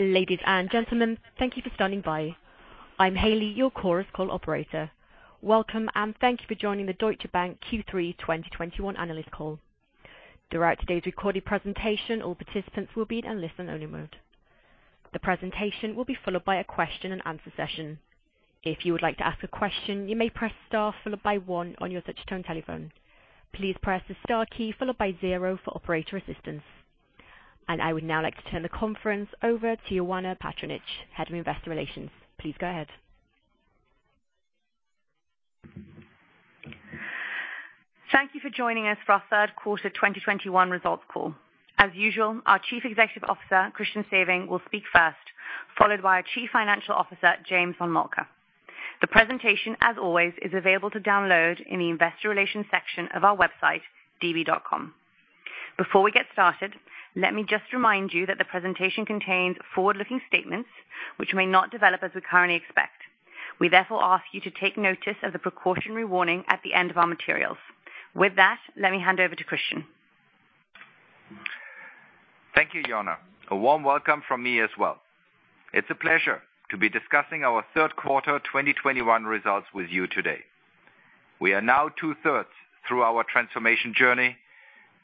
Ladies and gentlemen, thank you for standing by. I'm Haley, your Chorus Call operator. Welcome, and thank you for joining the Deutsche Bank Q3 2021 analyst call. Throughout today's recorded presentation, all participants will be in a listen-only mode. The presentation will be followed by a question-and-answer session. If you would like to ask a question, you may press Star followed by one on your touchtone telephone. Please press the Star key followed by zero for operator assistance. I would now like to turn the conference over to Ioana Patriniche, Head of Investor Relations. Please go ahead. Thank you for joining us for our third quarter 2021 results call. As usual, our Chief Executive Officer, Christian Sewing, will speak first, followed by our Chief Financial Officer, James von Moltke. The presentation, as always, is available to download in the investor relations section of our website, db.com. Before we get started, let me just remind you that the presentation contains forward-looking statements which may not develop as we currently expect. We therefore ask you to take notice of the precautionary warning at the end of our materials. With that, let me hand over to Christian. Thank you, Ioana. A warm welcome from me as well. It's a pleasure to be discussing our third quarter 2021 results with you today. We are now two-thirds through our transformation journey,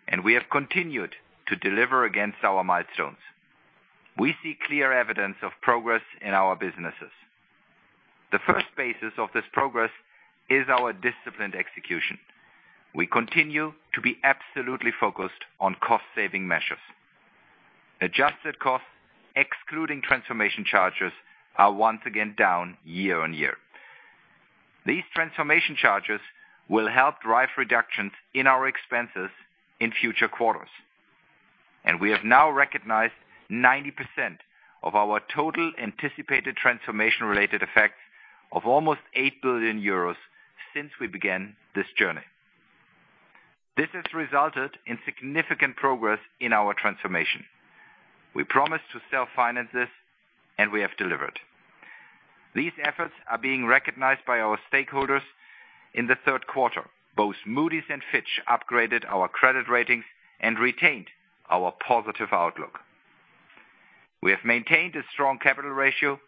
and we have continued to deliver against our milestones. We see clear evidence of progress in our businesses. The first basis of this progress is our disciplined execution. We continue to be absolutely focused on cost-saving measures. Adjusted costs, excluding transformation charges, are once again down year-on-year. These transformation charges will help drive reductions in our expenses in future quarters. We have now recognized 90% of our total anticipated transformation-related effects of almost 8 billion euros since we began this journey. This has resulted in significant progress in our transformation. We promised to self-finance this, and we have delivered. These efforts are being recognized by our stakeholders in the third quarter. Both Moody's and Fitch upgraded our credit ratings and retained our positive outlook. We have maintained a strong capital ratio,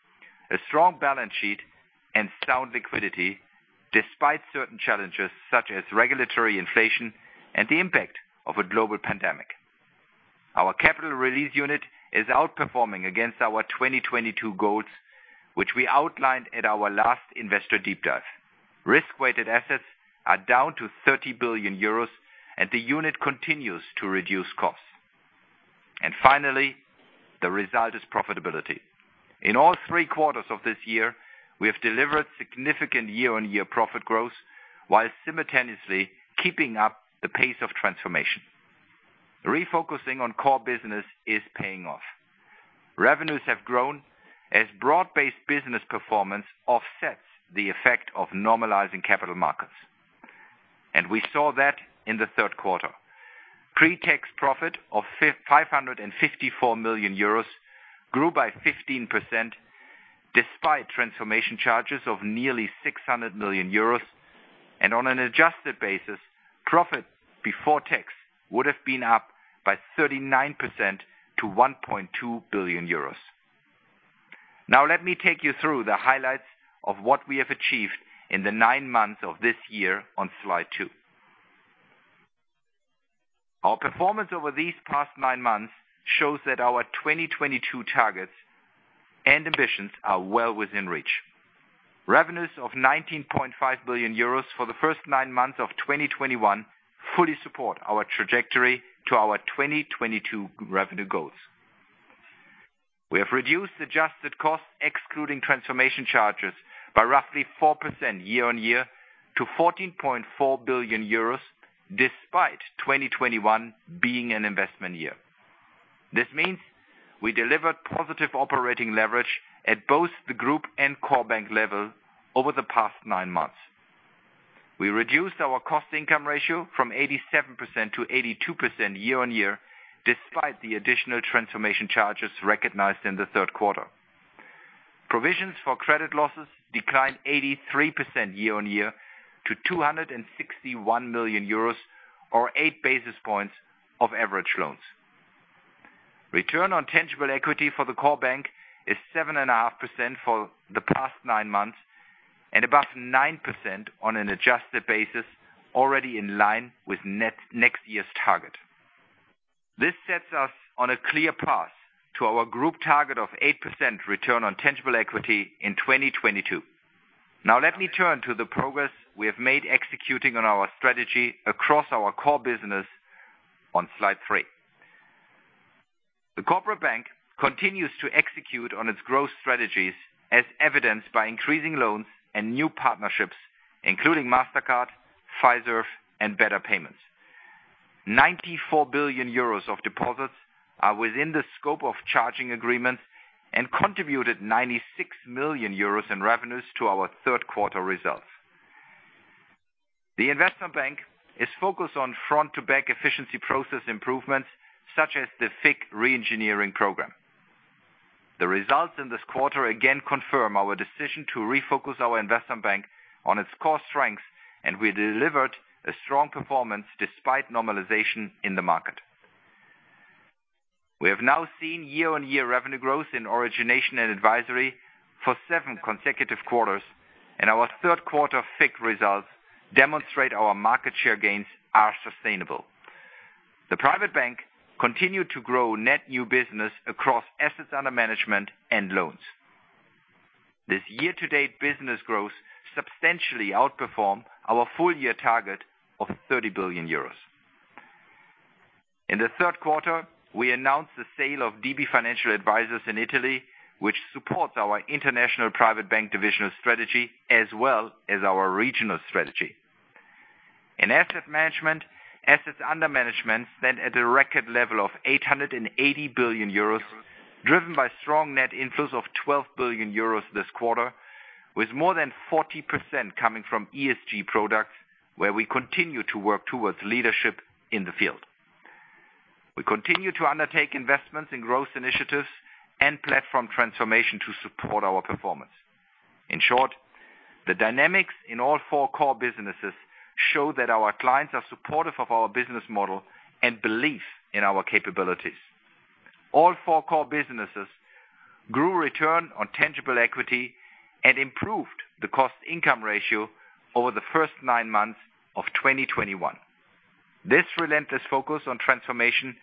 a strong balance sheet, and sound liquidity despite certain challenges such as regulatory inflation and the impact of a global pandemic. Our Capital Release Unit is outperforming against our 2022 goals, which we outlined at our last Investor Deep Dive. Risk-weighted assets are down to 30 billion euros, and the unit continues to reduce costs. Finally, the result is profitability. In all three quarters of this year, we have delivered significant year-on-year profit growth while simultaneously keeping up the pace of transformation. Refocusing on core business is paying off. Revenues have grown as broad-based business performance offsets the effect of normalizing capital markets. We saw that in the third quarter. Pre-tax profit of 554 million euros grew by 15% despite transformation charges of nearly 600 million euros. On an adjusted basis, profit before tax would have been up by 39% to 1.2 billion euros. Now let me take you through the highlights of what we have achieved in the nine months of this year on slide two. Our performance over these past nine months shows that our 2022 targets and ambitions are well within reach. Revenues of 19.5 billion euros for the first nine months of 2021 fully support our trajectory to our 2022 revenue goals. We have reduced adjusted costs, excluding transformation charges, by roughly 4% year on year to 14.4 billion euros, despite 2021 being an investment year. This means we delivered positive operating leverage at both the group and core bank level over the past nine months. We reduced our cost income ratio from 87% to 82% year-on-year, despite the additional transformation charges recognized in the third quarter. Provisions for credit losses declined 83% year-on-year to 261 million euros or 8 basis points of average loans. Return on tangible equity for the core bank is 7.5% for the past nine months and above 9% on an adjusted basis already in line with our next year's target. This sets us on a clear path to our group target of 8% return on tangible equity in 2022. Now let me turn to the progress we have made executing on our strategy across our core business on slide three. The corporate bank continues to execute on its growth strategies as evidenced by increasing loans and new partnerships, including Mastercard, Fiserv, and Better Payment. 94 billion euros of deposits are within the scope of charging agreements and contributed 96 million euros in revenues to our third quarter results. The investment bank is focused on front-to-back efficiency process improvements such as the FICC re-engineering program. The results in this quarter again confirm our decision to refocus our investment bank on its core strengths, and we delivered a strong performance despite normalization in the market. We have now seen year-on-year revenue growth in origination and advisory for seven consecutive quarters, and our third quarter FICC results demonstrate our market share gains are sustainable. The private bank continued to grow net new business across assets under management and loans. This year-to-date business growth substantially outperformed our full year target of 30 billion euros. In the third quarter, we announced the sale of DB Financial Advisors in Italy, which supports our international private bank divisional strategy as well as our regional strategy. In asset management, assets under management stand at a record level of 880 billion euros, driven by strong net inflows of 12 billion euros this quarter, with more than 40% coming from ESG products, where we continue to work towards leadership in the field. We continue to undertake investments in growth initiatives and platform transformation to support our performance. In short, the dynamics in all four core businesses show that our clients are supportive of our business model and believe in our capabilities. All four core businesses grew return on tangible equity and improved the cost-income ratio over the first nine months of 2021. This relentless focus on transformation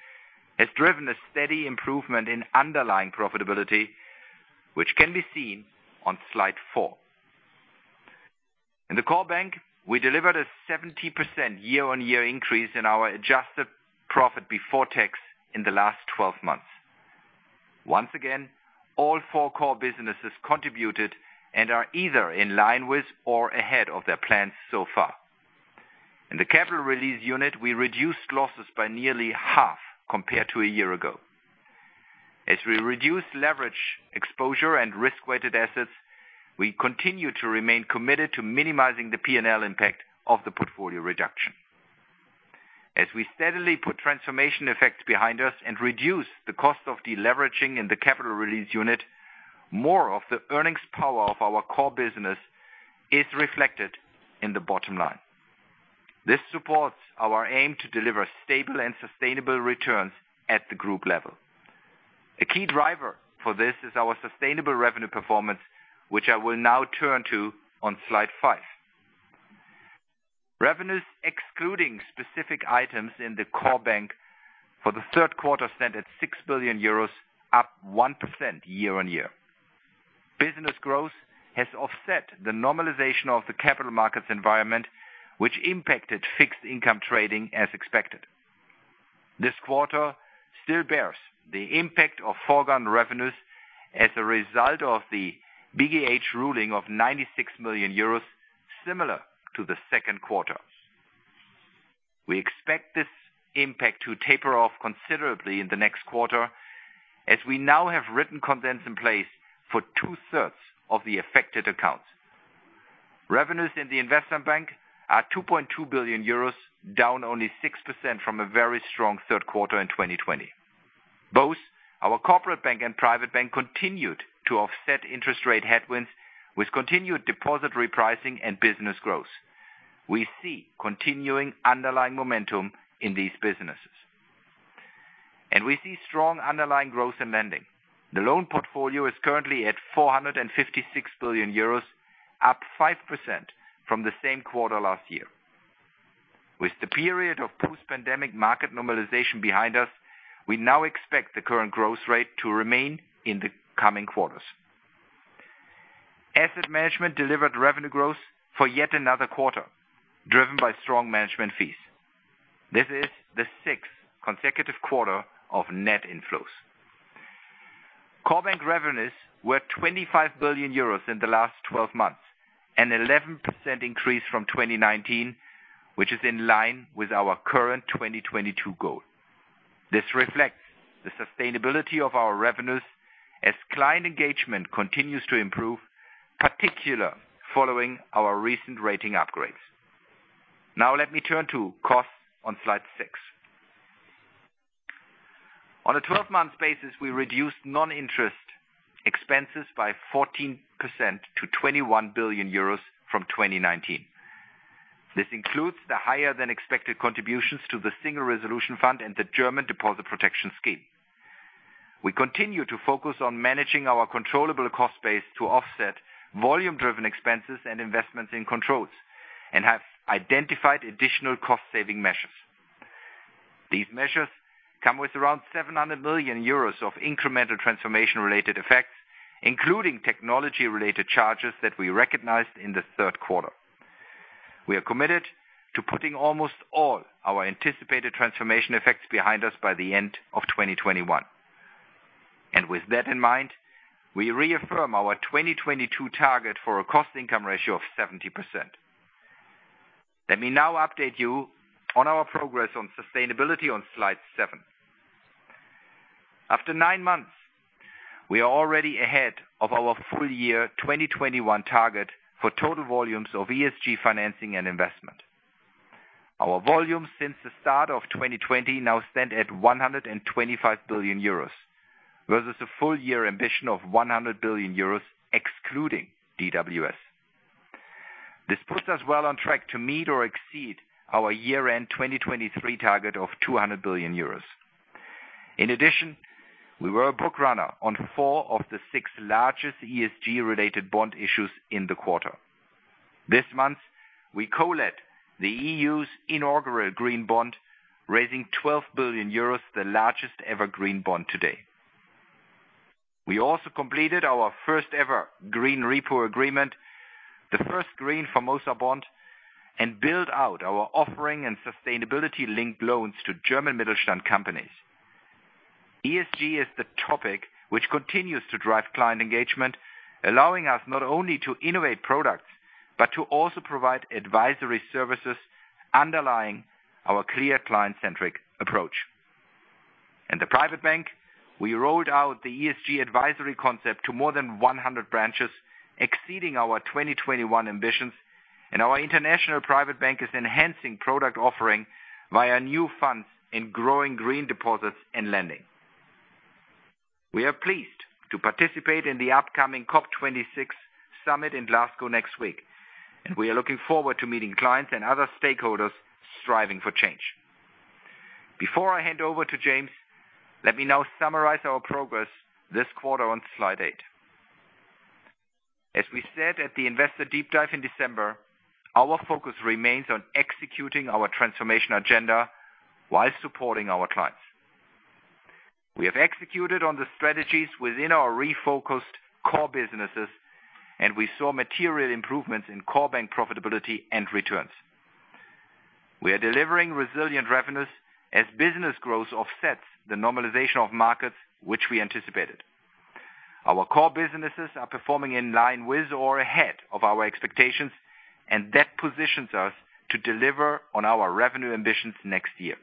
has driven a steady improvement in underlying profitability, which can be seen on slide four. In the core bank, we delivered a 70% year-on-year increase in our adjusted profit before tax in the last 12 months. Once again, all four core businesses contributed and are either in line with or ahead of their plans so far. In the Capital Release Unit, we reduced losses by nearly half compared to a year ago. As we reduce leverage exposure and risk-weighted assets, we continue to remain committed to minimizing the P&L impact of the portfolio reduction. As we steadily put transformation effects behind us and reduce the cost of deleveraging in the Capital Release Unit, more of the earnings power of our core business is reflected in the bottom line. This supports our aim to deliver stable and sustainable returns at the group level. A key driver for this is our sustainable revenue performance, which I will now turn to on slide five. Revenues excluding specific items in the core bank for the third quarter stand at 6 billion euros, up 1% year-on-year. Business growth has offset the normalization of the capital markets environment, which impacted fixed income trading as expected. This quarter still bears the impact of foregone revenues as a result of the BGH ruling of 96 million euros, similar to the second quarter. We expect this impact to taper off considerably in the next quarter as we now have written consents in place for two-thirds of the affected accounts. Revenues in the investment bank are 2.2 billion euros, down only 6% from a very strong third quarter in 2020. Both our Corporate Bank and Private Bank continued to offset interest rate headwinds with continued deposit repricing and business growth. We see continuing underlying momentum in these businesses. We see strong underlying growth in lending. The loan portfolio is currently at 456 billion euros, up 5% from the same quarter last year. With the period of post-pandemic market normalization behind us, we now expect the current growth rate to remain in the coming quarters. Asset Management delivered revenue growth for yet another quarter, driven by strong management fees. This is the sixth consecutive quarter of net inflows. Core Bank revenues were 25 billion euros in the last twelve months, an 11% increase from 2019, which is in line with our current 2022 goal. This reflects the sustainability of our revenues as client engagement continues to improve, particularly following our recent rating upgrades. Now let me turn to costs on slide six. On a 12-month basis, we reduced non-interest expenses by 14% to 21 billion euros from 2019. This includes the higher than expected contributions to the Single Resolution Fund and the German Deposit Protection Scheme. We continue to focus on managing our controllable cost base to offset volume-driven expenses and investments in controls and have identified additional cost saving measures. These measures come with around 700 million euros of incremental transformation-related effects, including technology-related charges that we recognized in the third quarter. We are committed to putting almost all our anticipated transformation effects behind us by the end of 2021. With that in mind, we reaffirm our 2022 target for a cost income ratio of 70%. Let me now update you on our progress on sustainability on slide seven. After nine months, we are already ahead of our full year 2021 target for total volumes of ESG financing and investment. Our volumes since the start of 2020 now stand at 125 billion euros, versus a full year ambition of 100 billion euros excluding DWS. This puts us well on track to meet or exceed our year-end 2023 target of 200 billion euros. In addition, we were a book runner on four of the six largest ESG-related bond issues in the quarter. This month, we co-led the EU's inaugural green bond, raising 12 billion euros, the largest ever green bond today. We also completed our first ever green repo agreement, the first green Formosa Bond, and build out our offering and sustainability-linked loans to German Mittelstand companies. ESG is the topic which continues to drive client engagement, allowing us not only to innovate products, but to also provide advisory services underlying our clear client-centric approach. In the private bank, we rolled out the ESG advisory concept to more than 100 branches, exceeding our 2021 ambitions, and our international private bank is enhancing product offering via new funds in growing green deposits and lending. We are pleased to participate in the upcoming COP26 summit in Glasgow next week, and we are looking forward to meeting clients and other stakeholders striving for change. Before I hand over to James, let me now summarize our progress this quarter on slide eight. As we said at the Investor Deep Dive in December, our focus remains on executing our transformation agenda while supporting our clients. We have executed on the strategies within our refocused core businesses, and we saw material improvements in core bank profitability and returns. We are delivering resilient revenues as business growth offsets the normalization of markets which we anticipated. Our core businesses are performing in line with or ahead of our expectations, and that positions us to deliver on our revenue ambitions next year.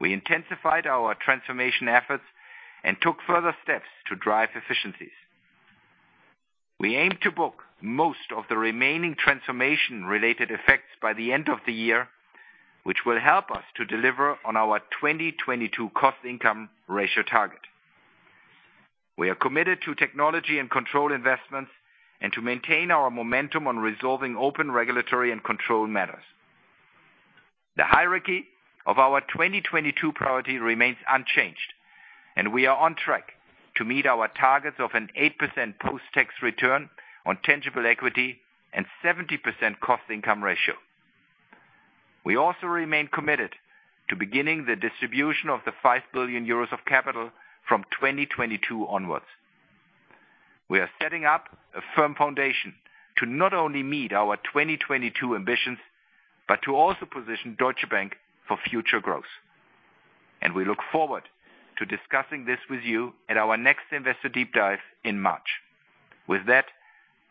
We intensified our transformation efforts and took further steps to drive efficiencies. We aim to book most of the remaining transformation related effects by the end of the year, which will help us to deliver on our 2022 cost income ratio target. We are committed to technology and control investments and to maintain our momentum on resolving open regulatory and control matters. The hierarchy of our 2022 priority remains unchanged, and we are on track to meet our targets of an 8% post-tax return on tangible equity and 70% cost income ratio. We also remain committed to beginning the distribution of the 5 billion euros of capital from 2022 onwards. We are setting up a firm foundation to not only meet our 2022 ambitions, but to also position Deutsche Bank for future growth. We look forward to discussing this with you at our next Investor Deep Dive in March. With that,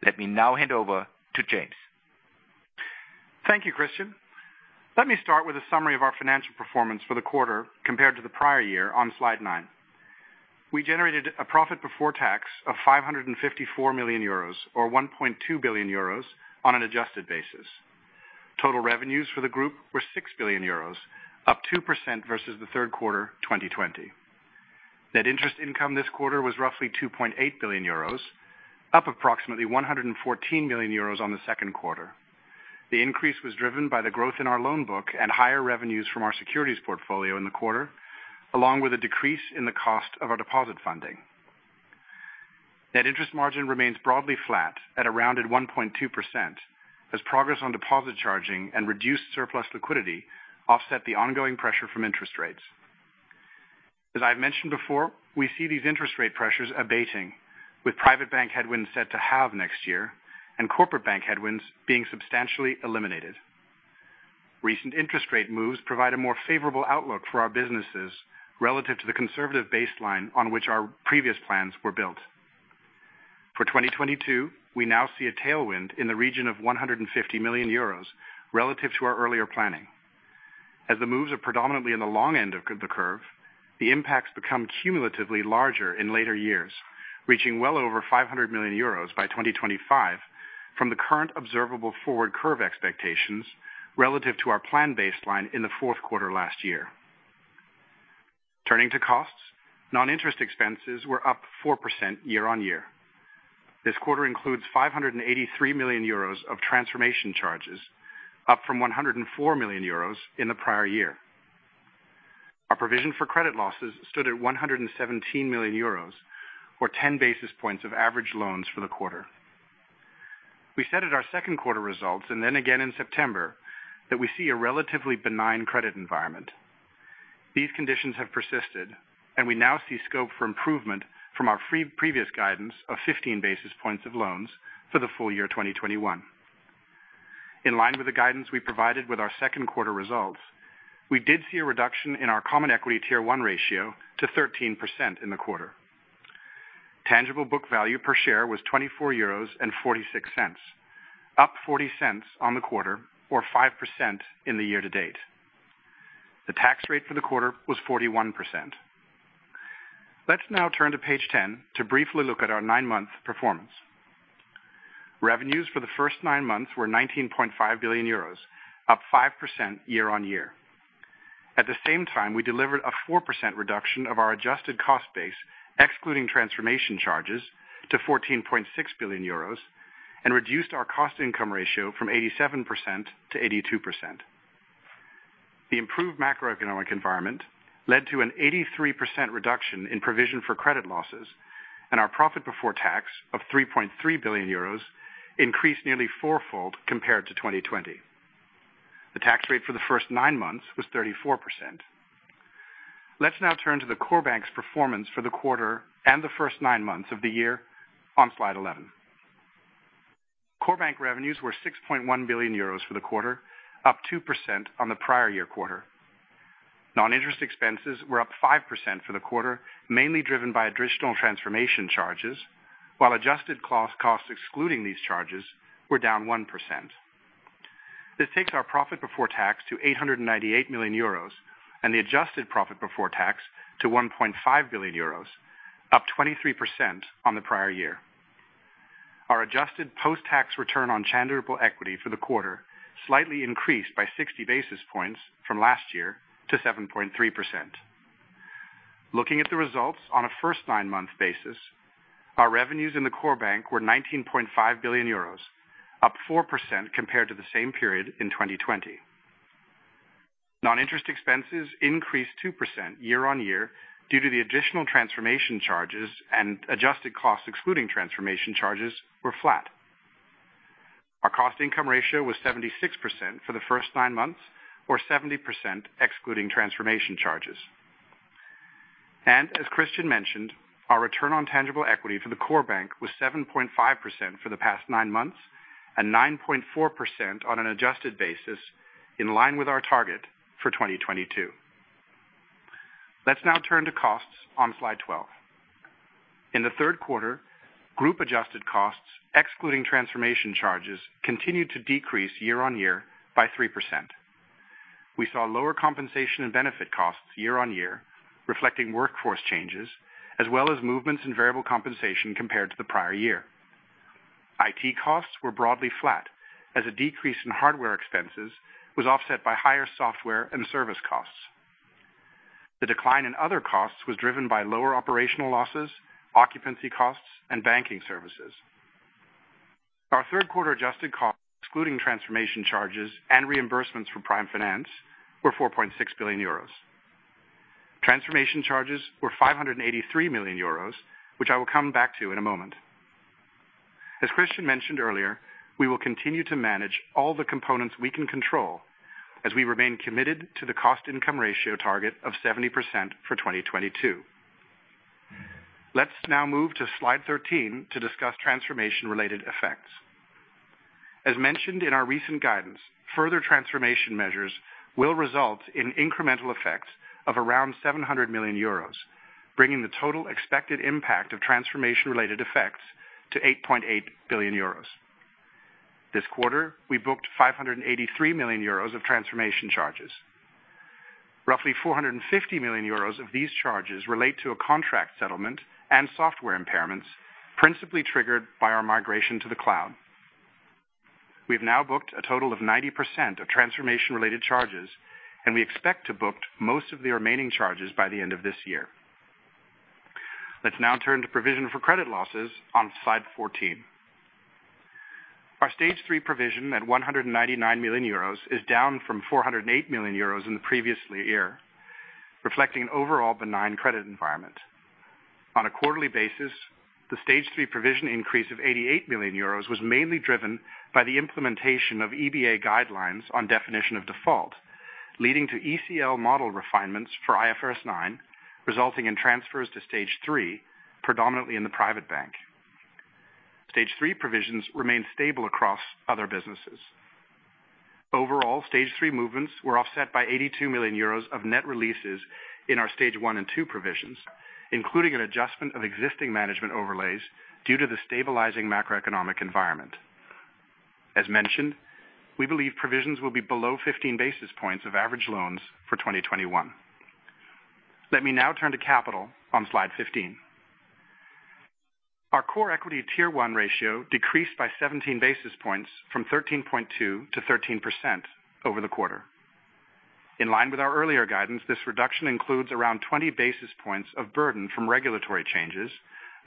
let me now hand over to James. Thank you, Christian. Let me start with a summary of our financial performance for the quarter compared to the prior year on slide nine. We generated a profit before tax of 554 million euros, or 1.2 billion euros on an adjusted basis. Total revenues for the group were 6 billion euros, up 2% versus the third quarter, 2020. Net interest income this quarter was roughly 2.8 billion euros, up approximately 114 million euros on the second quarter. The increase was driven by the growth in our loan book and higher revenues from our securities portfolio in the quarter, along with a decrease in the cost of our deposit funding. Net interest margin remains broadly flat at around 1.2% as progress on deposit charging and reduced surplus liquidity offset the ongoing pressure from interest rates. As I've mentioned before, we see these interest rate pressures abating, with Private Bank headwinds set to halve next year and Corporate Bank headwinds being substantially eliminated. Recent interest rate moves provide a more favorable outlook for our businesses relative to the conservative baseline on which our previous plans were built. For 2022, we now see a tailwind in the region of 150 million euros relative to our earlier planning. As the moves are predominantly in the long end of the curve, the impacts become cumulatively larger in later years, reaching well over 500 million euros by 2025 from the current observable forward curve expectations relative to our plan baseline in the fourth quarter last year. Turning to costs, non-interest expenses were up 4% year-on-year. This quarter includes 583 million euros of transformation charges, up from 104 million euros in the prior year. Our provision for credit losses stood at 117 million euros, or 10 basis points of average loans for the quarter. We said at our second quarter results, and then again in September, that we see a relatively benign credit environment. These conditions have persisted, and we now see scope for improvement from our previous guidance of 15 basis points of loans for the full year, 2021. In line with the guidance we provided with our second quarter results, we did see a reduction in our common equity tier one ratio to 13% in the quarter. Tangible book value per share was 24.46 euros, up 0.40 on the quarter, or 5% in the year to date. The tax rate for the quarter was 41%. Let's now turn to page 10 to briefly look at our nine-month performance. Revenues for the first nine months were 19.5 billion euros, up 5% year-on-year. At the same time, we delivered a 4% reduction of our adjusted cost base, excluding transformation charges to 14.6 billion euros and reduced our cost income ratio from 87% to 82%. The improved macroeconomic environment led to an 83% reduction in provision for credit losses and our profit before tax of 3.3 billion euros increased nearly four-fold compared to 2020. The tax rate for the first nine months was 34%. Let's now turn to the core bank's performance for the quarter and the first nine months of the year on slide 11. Core bank revenues were 6.1 billion euros for the quarter, up 2% on the prior year quarter. Non-interest expenses were up 5% for the quarter, mainly driven by additional transformation charges, while adjusted cash costs excluding these charges were down 1%. This takes our profit before tax to 898 million euros and the adjusted profit before tax to 1.5 billion euros, up 23% on the prior year. Our adjusted post-tax return on tangible equity for the quarter slightly increased by 60 basis points from last year to 7.3%. Looking at the results on a first nine-month basis, our revenues in the core bank were 19.5 billion euros, up 4% compared to the same period in 2020. Non-interest expenses increased 2% year-over-year due to the additional transformation charges and adjusted costs excluding transformation charges were flat. Our cost income ratio was 76% for the first nine months, or 70% excluding transformation charges. As Christian mentioned, our return on tangible equity for the core bank was 7.5% for the past nine months and 9.4% on an adjusted basis in line with our target for 2022. Let's now turn to costs on slide 12. In the third quarter, group adjusted costs, excluding transformation charges, continued to decrease year-over-year by 3%. We saw lower compensation and benefit costs year-over-year, reflecting workforce changes as well as movements in variable compensation compared to the prior year. IT costs were broadly flat as a decrease in hardware expenses was offset by higher software and service costs. The decline in other costs was driven by lower operational losses, occupancy costs, and banking services. Our third quarter adjusted costs, excluding transformation charges and reimbursements for Prime Finance, were 4.6 billion euros. Transformation charges were 583 million euros, which I will come back to in a moment. As Christian mentioned earlier, we will continue to manage all the components we can control as we remain committed to the cost income ratio target of 70% for 2022. Let's now move to slide 13 to discuss transformation-related effects. As mentioned in our recent guidance, further transformation measures will result in incremental effects of around 700 million euros, bringing the total expected impact of transformation-related effects to 8.8 billion euros. This quarter, we booked 583 million euros of transformation charges. Roughly 450 million euros of these charges relate to a contract settlement and software impairments principally triggered by our migration to the cloud. We've now booked a total of 90% of transformation-related charges, and we expect to book most of the remaining charges by the end of this year. Let's now turn to provision for credit losses on slide 14. Our Stage 3 provision at 199 million euros is down from 408 million euros in the previous year, reflecting an overall benign credit environment. On a quarterly basis, the Stage 3 provision increase of 88 million euros was mainly driven by the implementation of EBA guidelines on definition of default, leading to ECL model refinements for IFRS 9, resulting in transfers to Stage 3, predominantly in the Private Bank. Stage 3 provisions remain stable across other businesses. Overall, Stage 3 movements were offset by 82 million euros of net releases in our Stage 1 and 2 provisions, including an adjustment of existing management overlays due to the stabilizing macroeconomic environment. As mentioned, we believe provisions will be below 15 basis points of average loans for 2021. Let me now turn to capital on slide 15. Our Core Equity Tier 1 ratio decreased by 17 basis points from 13.2% to 13% over the quarter. In line with our earlier guidance, this reduction includes around 20 basis points of burden from regulatory changes,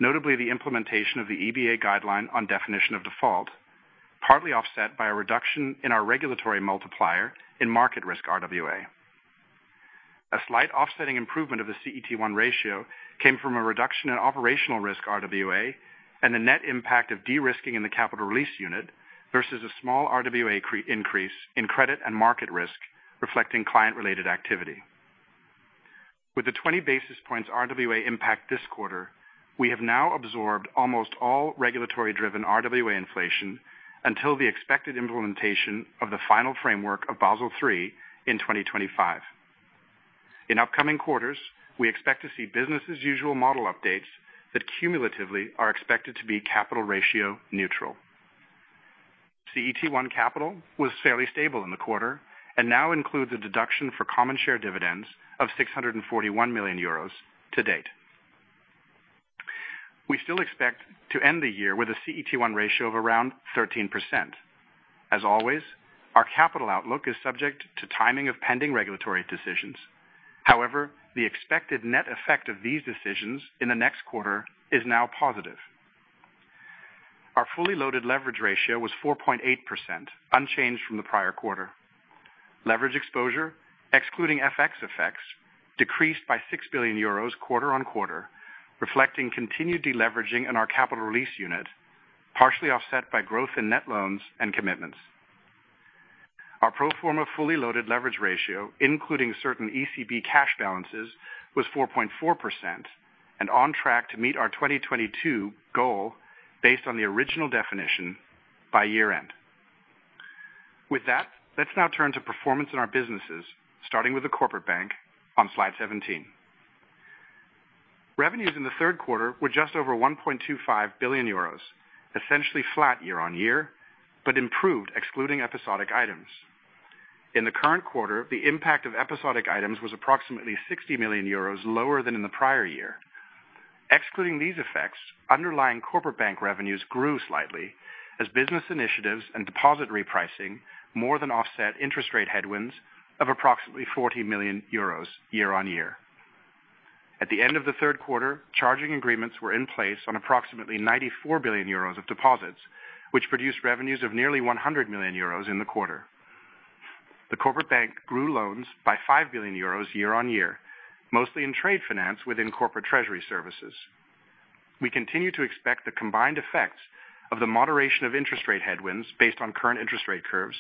notably the implementation of the EBA guideline on definition of default, partly offset by a reduction in our regulatory multiplier in market risk RWA. A slight offsetting improvement of the CET1 ratio came from a reduction in operational risk RWA and the net impact of de-risking in the Capital Release Unit versus a small RWA increase in credit and market risk reflecting client-related activity. With the 20 basis points RWA impact this quarter, we have now absorbed almost all regulatory-driven RWA inflation until the expected implementation of the final framework of Basel III in 2025. In upcoming quarters, we expect to see business as usual model updates that cumulatively are expected to be capital ratio neutral. CET1 capital was fairly stable in the quarter and now includes a deduction for common share dividends of 641 million euros to date. We still expect to end the year with a CET1 ratio of around 13%. As always, our capital outlook is subject to timing of pending regulatory decisions. However, the expected net effect of these decisions in the next quarter is now positive. Our fully loaded leverage ratio was 4.8%, unchanged from the prior quarter. Leverage exposure, excluding FX effects, decreased by 6 billion euros quarter-on-quarter, reflecting continued deleveraging in our Capital Release Unit, partially offset by growth in net loans and commitments. Our pro forma fully loaded leverage ratio, including certain ECB cash balances, was 4.4% and on track to meet our 2022 goal based on the original definition by year-end. With that, let's now turn to performance in our businesses, starting with the Corporate Bank on slide 17. Revenues in the third quarter were just over 1.25 billion euros, essentially flat year-on-year, but improved excluding episodic items. In the current quarter, the impact of episodic items was approximately 60 million euros lower than in the prior year. Excluding these effects, underlying Corporate Bank revenues grew slightly as business initiatives and deposit repricing more than offset interest rate headwinds of approximately 40 million euros year-on-year. At the end of the third quarter, charging agreements were in place on approximately 94 billion euros of deposits, which produced revenues of nearly 100 million euros in the quarter. The Corporate Bank grew loans by 5 billion euros year-on-year, mostly in trade finance within corporate treasury services. We continue to expect the combined effects of the moderation of interest rate headwinds based on current interest rate curves,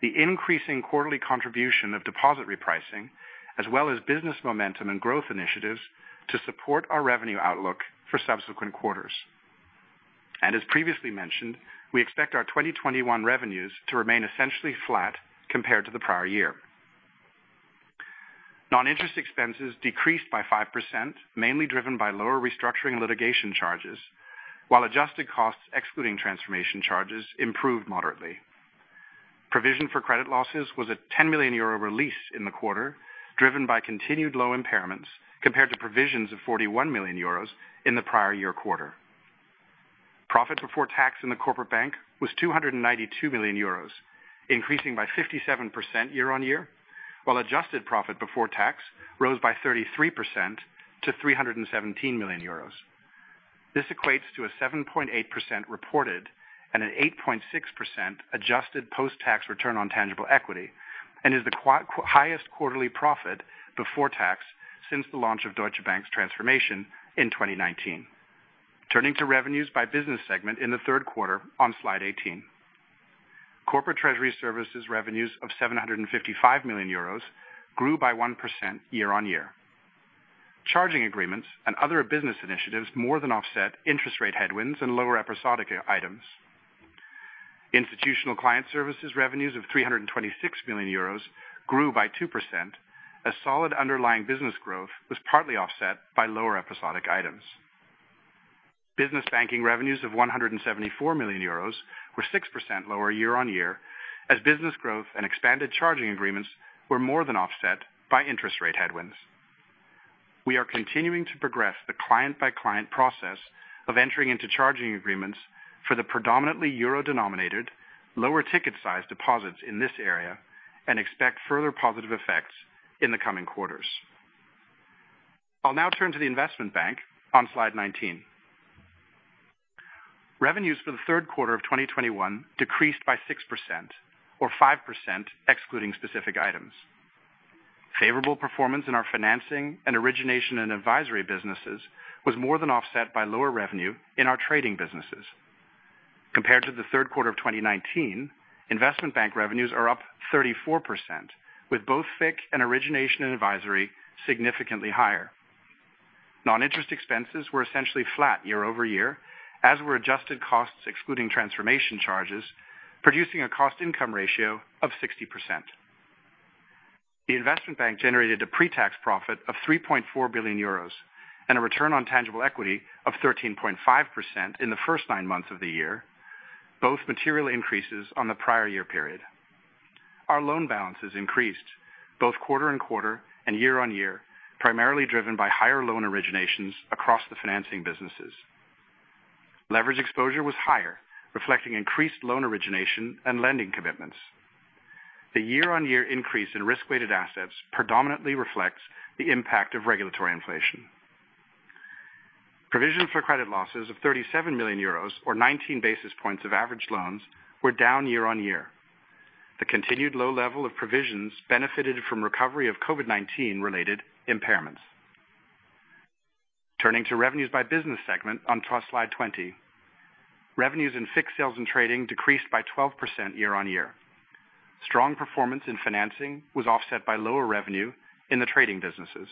the increasing quarterly contribution of deposit repricing, as well as business momentum and growth initiatives to support our revenue outlook for subsequent quarters. As previously mentioned, we expect our 2021 revenues to remain essentially flat compared to the prior year. Non-interest expenses decreased by 5%, mainly driven by lower restructuring litigation charges, while adjusted costs excluding transformation charges improved moderately. Provision for credit losses was a 10 million euro release in the quarter, driven by continued low impairments compared to provisions of 41 million euros in the prior year quarter. Profit before tax in the Corporate Bank was 292 million euros, increasing by 57% year-on-year, while adjusted profit before tax rose by 33% to 317 million euros. This equates to a 7.8% reported and an 8.6% adjusted post-tax return on tangible equity and is the highest quarterly profit before tax since the launch of Deutsche Bank's transformation in 2019. Turning to revenues by business segment in the third quarter on slide 18. Corporate Treasury Services revenues of 755 million euros grew by 1% year-on-year. Charging agreements and other business initiatives more than offset interest rate headwinds and lower episodic items. Institutional Client Services revenues of 326 million euros grew by 2% as solid underlying business growth was partly offset by lower episodic items. Business Banking revenues of 174 million euros were 6% lower year-on-year as business growth and expanded charging agreements were more than offset by interest rate headwinds. We are continuing to progress the client-by-client process of entering into charging agreements for the predominantly euro-denominated lower ticket size deposits in this area and expect further positive effects in the coming quarters. I'll now turn to the investment bank on slide 19. Revenues for the third quarter of 2021 decreased by 6% or 5% excluding specific items. Favorable performance in our financing and origination and advisory businesses was more than offset by lower revenue in our trading businesses. Compared to the third quarter of 2019, investment bank revenues are up 34%, with both FIC and origination and advisory significantly higher. Non-interest expenses were essentially flat year-over-year, as were adjusted costs excluding transformation charges, producing a cost income ratio of 60%. The investment bank generated a pre-tax profit of 3.4 billion euros and a return on tangible equity of 13.5% in the first nine months of the year, both materially increases on the prior year period. Our loan balances increased both quarter-on-quarter and year-on-year, primarily driven by higher loan originations across the financing businesses. Leverage exposure was higher, reflecting increased loan origination and lending commitments. The year-on-year increase in risk-weighted assets predominantly reflects the impact of regulatory inflation. Provision for credit losses of 37 million euros or 19 basis points of average loans were down year-on-year. The continued low level of provisions benefited from recovery of COVID-19 related impairments. Turning to revenues by business segment on to slide 20. Revenues in FICC decreased by 12% year-on-year. Strong performance in financing was offset by lower revenue in the trading businesses.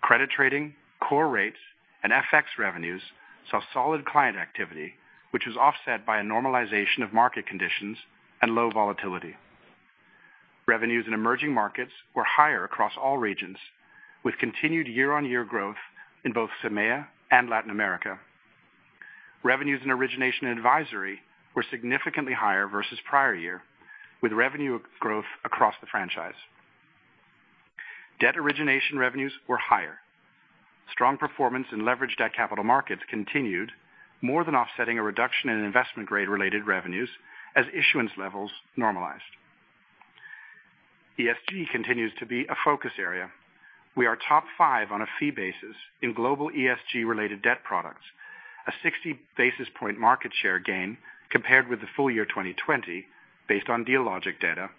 Credit trading, core rates, and FX revenues saw solid client activity, which was offset by a normalization of market conditions and low volatility. Revenues in emerging markets were higher across all regions, with continued year-on-year growth in both CEEMEA and Latin America. Revenues and origination advisory were significantly higher versus prior year, with revenue growth across the franchise. Debt origination revenues were higher. Strong performance in leveraged debt capital markets continued more than offsetting a reduction in investment-grade-related revenues as issuance levels normalized. ESG continues to be a focus area. We are top five on a fee basis in global ESG-related debt products, a 60 basis point market share gain compared with the full year 2020 based on Dealogic data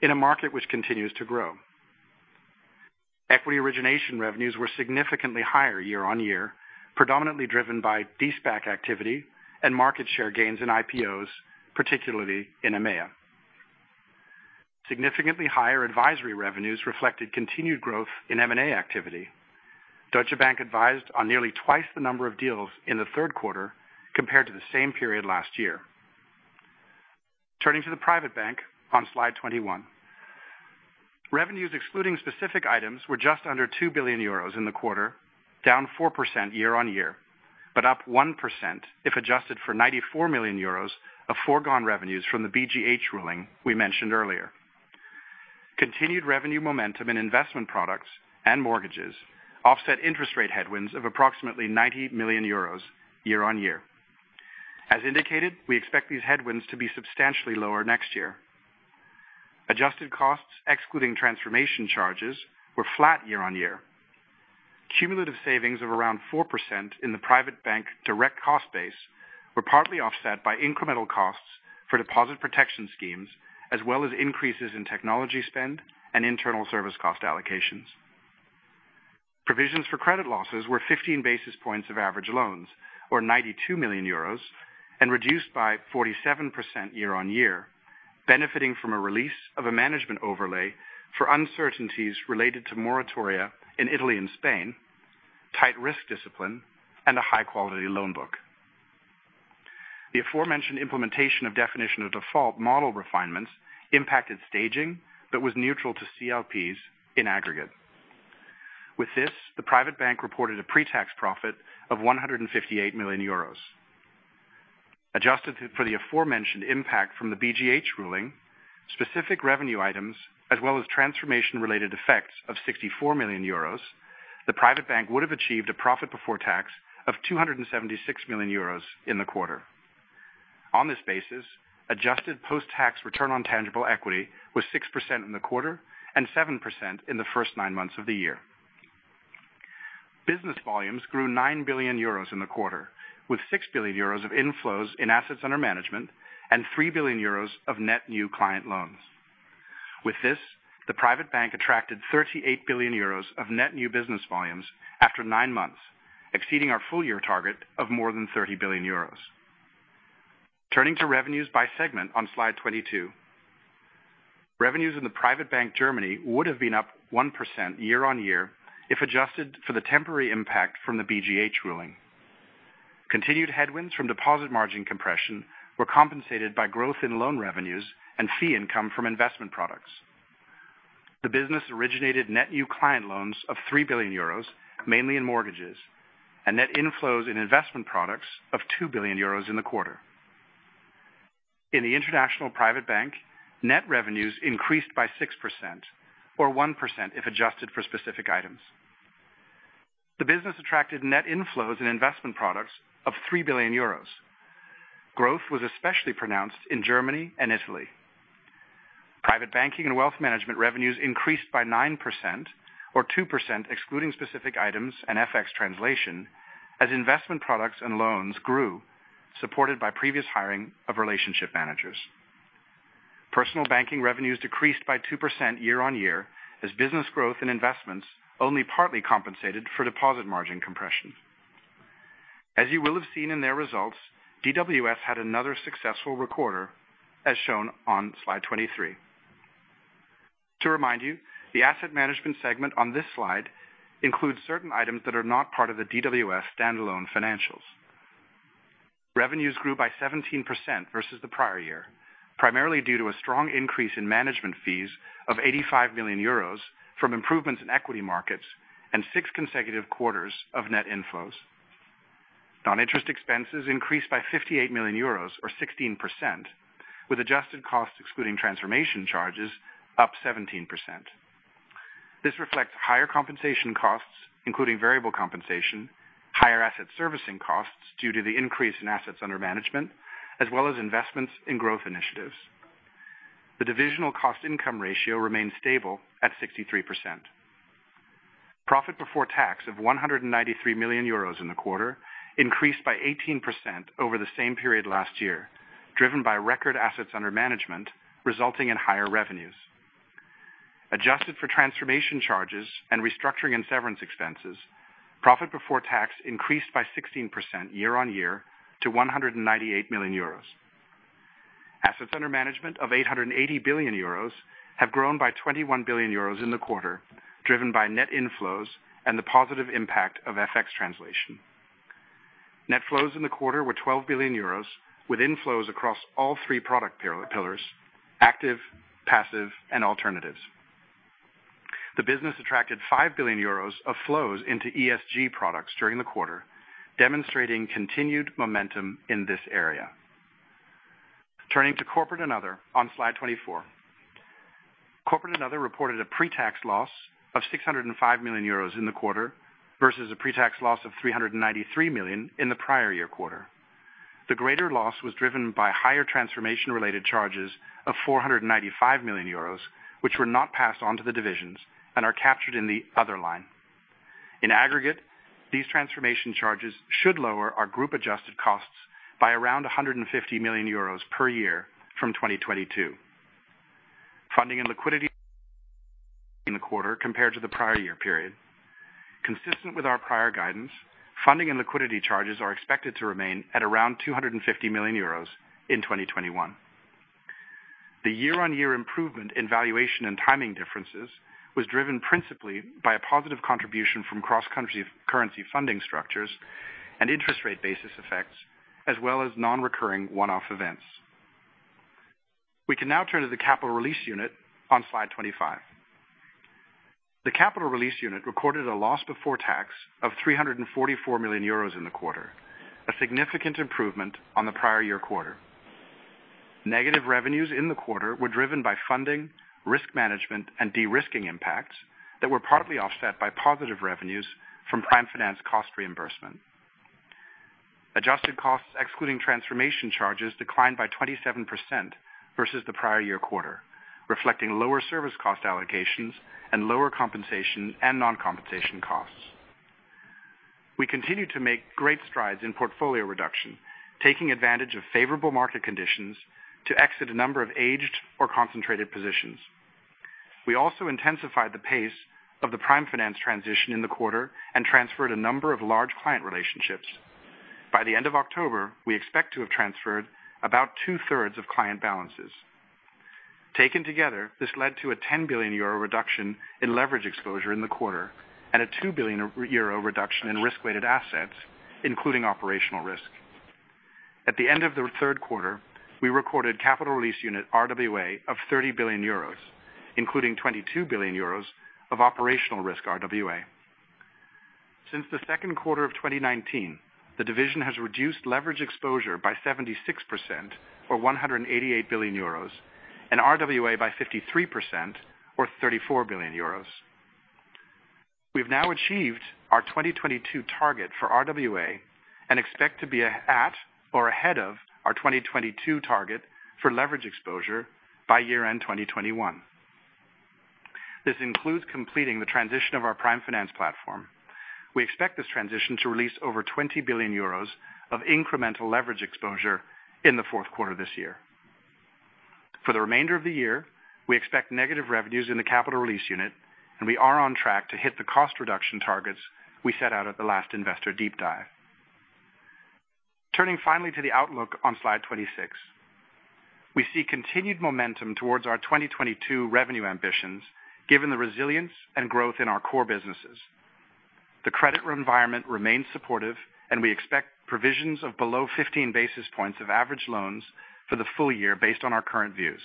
in a market which continues to grow. Equity origination revenues were significantly higher year-over-year, predominantly driven by SPAC activity and market share gains in IPOs, particularly in EMEA. Significantly higher advisory revenues reflected continued growth in M&A activity. Deutsche Bank advised on nearly twice the number of deals in the third quarter compared to the same period last year. Turning to the private bank on slide 21. Revenues excluding specific items were just under 2 billion euros in the quarter, down 4% year-over-year, but up 1% if adjusted for 94 million euros of foregone revenues from the BGH ruling we mentioned earlier. Continued revenue momentum in investment products and mortgages offset interest rate headwinds of approximately 90 million euros year-over-year. As indicated, we expect these headwinds to be substantially lower next year. Adjusted costs excluding transformation charges were flat year-over-year. Cumulative savings of around 4% in the private bank direct cost base were partly offset by incremental costs for deposit protection schemes, as well as increases in technology spend and internal service cost allocations. Provisions for credit losses were 15 basis points of average loans, or 92 million euros, and reduced by 47% year-on-year. Benefiting from a release of a management overlay for uncertainties related to moratoria in Italy and Spain, tight risk discipline, and a high quality loan book. The aforementioned implementation of definition of default model refinements impacted staging, but was neutral to CLPs in aggregate. With this, the private bank reported a pre-tax profit of 158 million euros. Adjusted for the aforementioned impact from the BGH ruling, specific revenue items as well as transformation related effects of 64 million euros, the private bank would have achieved a profit before tax of 276 million euros in the quarter. On this basis, adjusted post-tax return on tangible equity was 6% in the quarter and 7% in the first nine months of the year. Business volumes grew 9 billion euros in the quarter, with 6 billion euros of inflows in assets under management and 3 billion euros of net new client loans. With this, the private bank attracted 38 billion euros of net new business volumes after nine months, exceeding our full year target of more than 30 billion euros. Turning to revenues by segment on slide 22. Revenues in the Private Bank Germany would have been up 1% year-on-year if adjusted for the temporary impact from the BGH ruling. Continued headwinds from deposit margin compression were compensated by growth in loan revenues and fee income from investment products. The business originated net new client loans of 3 billion euros, mainly in mortgages, and net inflows in investment products of 2 billion euros in the quarter. In the International Private Bank, net revenues increased by 6% or 1% if adjusted for specific items. The business attracted net inflows in investment products of 3 billion euros. Growth was especially pronounced in Germany and Italy. Private Banking and Wealth Management revenues increased by 9% or 2% excluding specific items and FX translation as investment products and loans grew supported by previous hiring of relationship managers. Personal banking revenues decreased by 2% year-over-year as business growth and investments only partly compensated for deposit margin compression. As you will have seen in their results, DWS had another successful record year, as shown on slide 23. To remind you, the asset management segment on this slide includes certain items that are not part of the DWS standalone financials. Revenues grew by 17% versus the prior year, primarily due to a strong increase in management fees of 85 million euros from improvements in equity markets and six consecutive quarters of net inflows. Non-interest expenses increased by 58 million euros or 16%, with adjusted costs excluding transformation charges up 17%. This reflects higher compensation costs, including variable compensation, higher asset servicing costs due to the increase in assets under management, as well as investments in growth initiatives. The divisional cost income ratio remains stable at 63%. Profit before tax of 193 million euros in the quarter increased by 18% over the same period last year, driven by record assets under management resulting in higher revenues. Adjusted for transformation charges and restructuring and severance expenses, profit before tax increased by 16% year on year to 198 million euros. Assets under management of 880 billion euros have grown by 21 billion euros in the quarter, driven by net inflows and the positive impact of FX translation. Net flows in the quarter were 12 billion euros, with inflows across all three product pillars: active, passive and alternatives. The business attracted 5 billion euros of flows into ESG products during the quarter. Demonstrating continued momentum in this area. Turning to Corporate & Other on slide 24. Corporate & Other reported a pre-tax loss of 605 million euros in the quarter versus a pre-tax loss of 393 million in the prior year quarter. The greater loss was driven by higher transformation-related charges of 495 million euros, which were not passed on to the divisions and are captured in the other line. In aggregate, these transformation charges should lower our group adjusted costs by around 150 million euros per year from 2022. Funding and liquidity in the quarter compared to the prior year period. Consistent with our prior guidance, funding and liquidity charges are expected to remain at around 250 million euros in 2021. The year-on-year improvement in valuation and timing differences was driven principally by a positive contribution from cross-currency funding structures and interest rate basis effects, as well as non-recurring one-off events. We can now turn to the Capital Release Unit on slide 25. The Capital Release Unit recorded a loss before tax of 344 million euros in the quarter, a significant improvement on the prior year quarter. Negative revenues in the quarter were driven by funding, risk management, and de-risking impacts that were partly offset by positive revenues from Prime Finance cost reimbursement. Adjusted costs, excluding transformation charges, declined by 27% versus the prior year quarter, reflecting lower service cost allocations and lower compensation and non-compensation costs. We continue to make great strides in portfolio reduction, taking advantage of favorable market conditions to exit a number of aged or concentrated positions. We also intensified the pace of the Prime Finance transition in the quarter and transferred a number of large client relationships. By the end of October, we expect to have transferred about 2/3 of client balances. Taken together, this led to a 10 billion euro reduction in leverage exposure in the quarter and a 2 billion euro reduction in risk-weighted assets, including operational risk. At the end of the third quarter, we recorded Capital Release Unit RWA of 30 billion euros, including 22 billion euros of operational risk RWA. Since the second quarter of 2019, the division has reduced leverage exposure by 76% or 188 billion euros and RWA by 53% or 34 billion euros. We've now achieved our 2022 target for RWA and expect to be at or ahead of our 2022 target for leverage exposure by year-end 2021. This includes completing the transition of our Prime Finance platform. We expect this transition to release over 20 billion euros of incremental leverage exposure in the fourth quarter this year. For the remainder of the year, we expect negative revenues in the Capital Release Unit, and we are on track to hit the cost reduction targets we set out at the last Investor Deep Dive. Turning finally to the outlook on slide 26. We see continued momentum towards our 2022 revenue ambitions given the resilience and growth in our core businesses. The credit re-environment remains supportive, and we expect provisions of below 15 basis points of average loans for the full year based on our current views.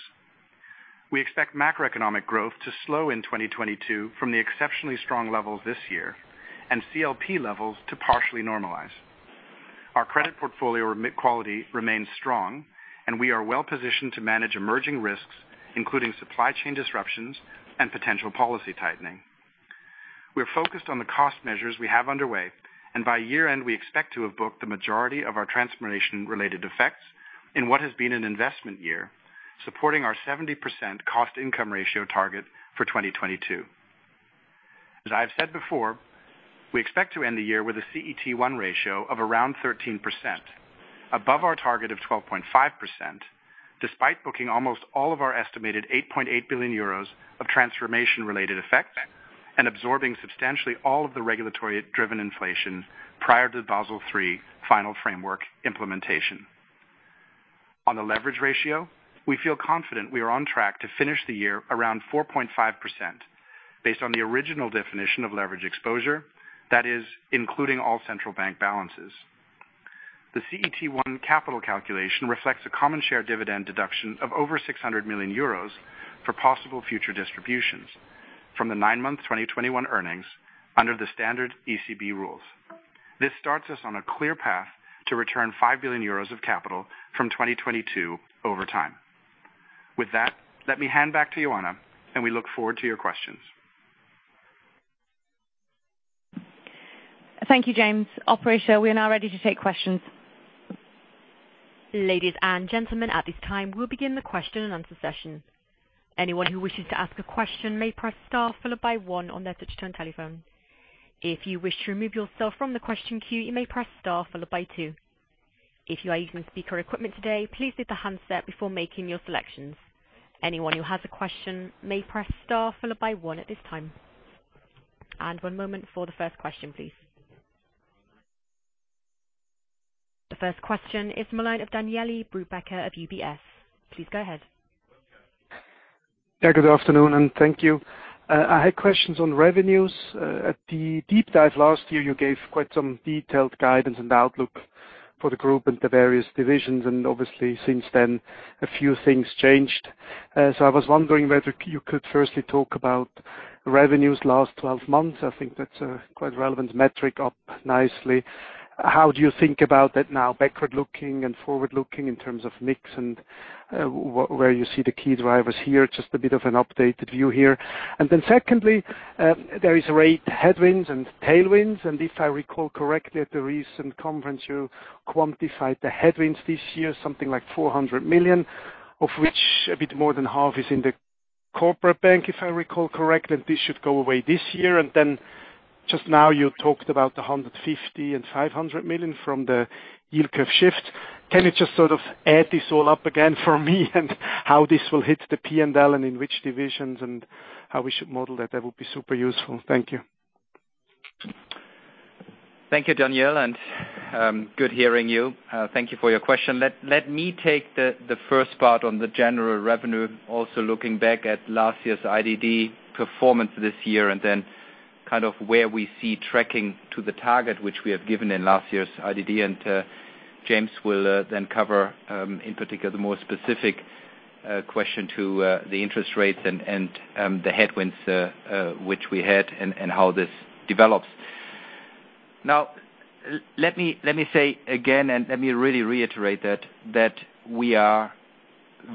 We expect macroeconomic growth to slow in 2022 from the exceptionally strong levels this year and CLP levels to partially normalize. Our credit portfolio remit quality remains strong, and we are well-positioned to manage emerging risks, including supply chain disruptions and potential policy tightening. We are focused on the cost measures we have underway, and by year-end, we expect to have booked the majority of our transformation-related effects in what has been an investment year, supporting our 70% cost income ratio target for 2022. As I have said before, we expect to end the year with a CET1 ratio of around 13%, above our target of 12.5%, despite booking almost all of our estimated 8.8 billion euros of transformation-related effects and absorbing substantially all of the regulatory driven inflation prior to the Basel III final framework implementation. On the leverage ratio, we feel confident we are on track to finish the year around 4.5% based on the original definition of leverage exposure, that is including all central bank balances. The CET1 capital calculation reflects a common share dividend deduction of over 600 million euros for possible future distributions from the nine-month 2021 earnings under the standard ECB rules. This starts us on a clear path to return 5 billion euros of capital from 2022 over time. With that, let me hand back to Ioana, and we look forward to your questions. Thank you, James. Operator, we are now ready to take questions. Ladies and gentlemen, at this time, we'll begin the question and answer session. Anyone who wishes to ask a question may press star followed by one on their touch-tone telephone. If you wish to remove yourself from the question queue, you may press star followed by two. If you are using speaker equipment today, please hit the handset before making your selections. Anyone who has a question may press star followed by one at this time. One moment for the first question, please. The first question is from the line of Daniele Brupbacher of UBS. Please go ahead. Yeah, good afternoon, and thank you. I had questions on revenues. At the deep dive last year, you gave quite some detailed guidance and outlook for the group and the various divisions, and obviously, since then, a few things changed. As I was wondering whether you could firstly talk about revenues last twelve months, I think that's a quite relevant metric up nicely. How do you think about that now, backward-looking and forward-looking in terms of mix and where you see the key drivers here? Just a bit of an updated view here. And then secondly, there is rate headwinds and tailwinds, and if I recall correctly at the recent conference you quantified the headwinds this year, something like 400 million, of which a bit more than half is in the corporate bank, if I recall correctly. This should go away this year. Just now you talked about the 150 million and 500 million from the yield curve shift. Can you just sort of add this all up again for me and how this will hit the P&L and in which divisions and how we should model that? That would be super useful. Thank you. Thank you, Daniele, and good to hear you. Thank you for your question. Let me take the first part on the general revenue, also looking back at last year's IDD performance this year and then kind of where we see tracking to the target which we have given in last year's IDD. James will then cover in particular the more specific question to the interest rates and the headwinds which we had and how this develops. Now, let me say again, let me really reiterate that we are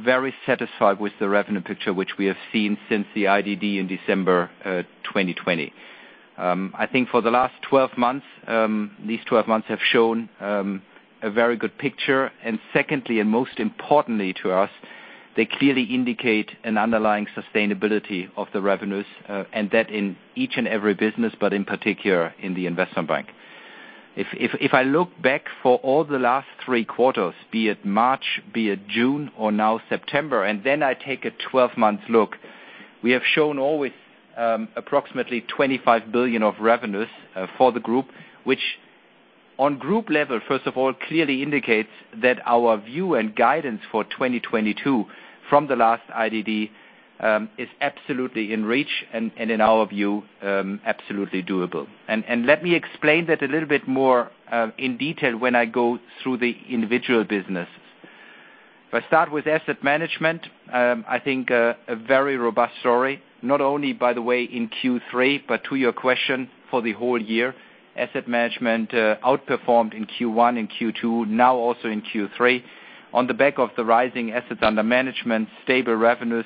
very satisfied with the revenue picture which we have seen since the IDD in December 2020. I think for the last 12 months, these 12 months have shown a very good picture. Secondly, and most importantly to us, they clearly indicate an underlying sustainability of the revenues, and that in each and every business, but in particular in the Investment Bank. If I look back for all the last three quarters, be it March, be it June or now September, and then I take a 12-month look, we have shown always approximately 25 billion of revenues for the group, which on group level, first of all, clearly indicates that our view and guidance for 2022 from the last IDD is absolutely in reach and in our view absolutely doable. Let me explain that a little bit more in detail when I go through the individual business. If I start with asset management, I think a very robust story, not only by the way in Q3, but to your question for the whole year, asset management outperformed in Q1 and Q2, now also in Q3 on the back of the rising assets under management, stable revenues.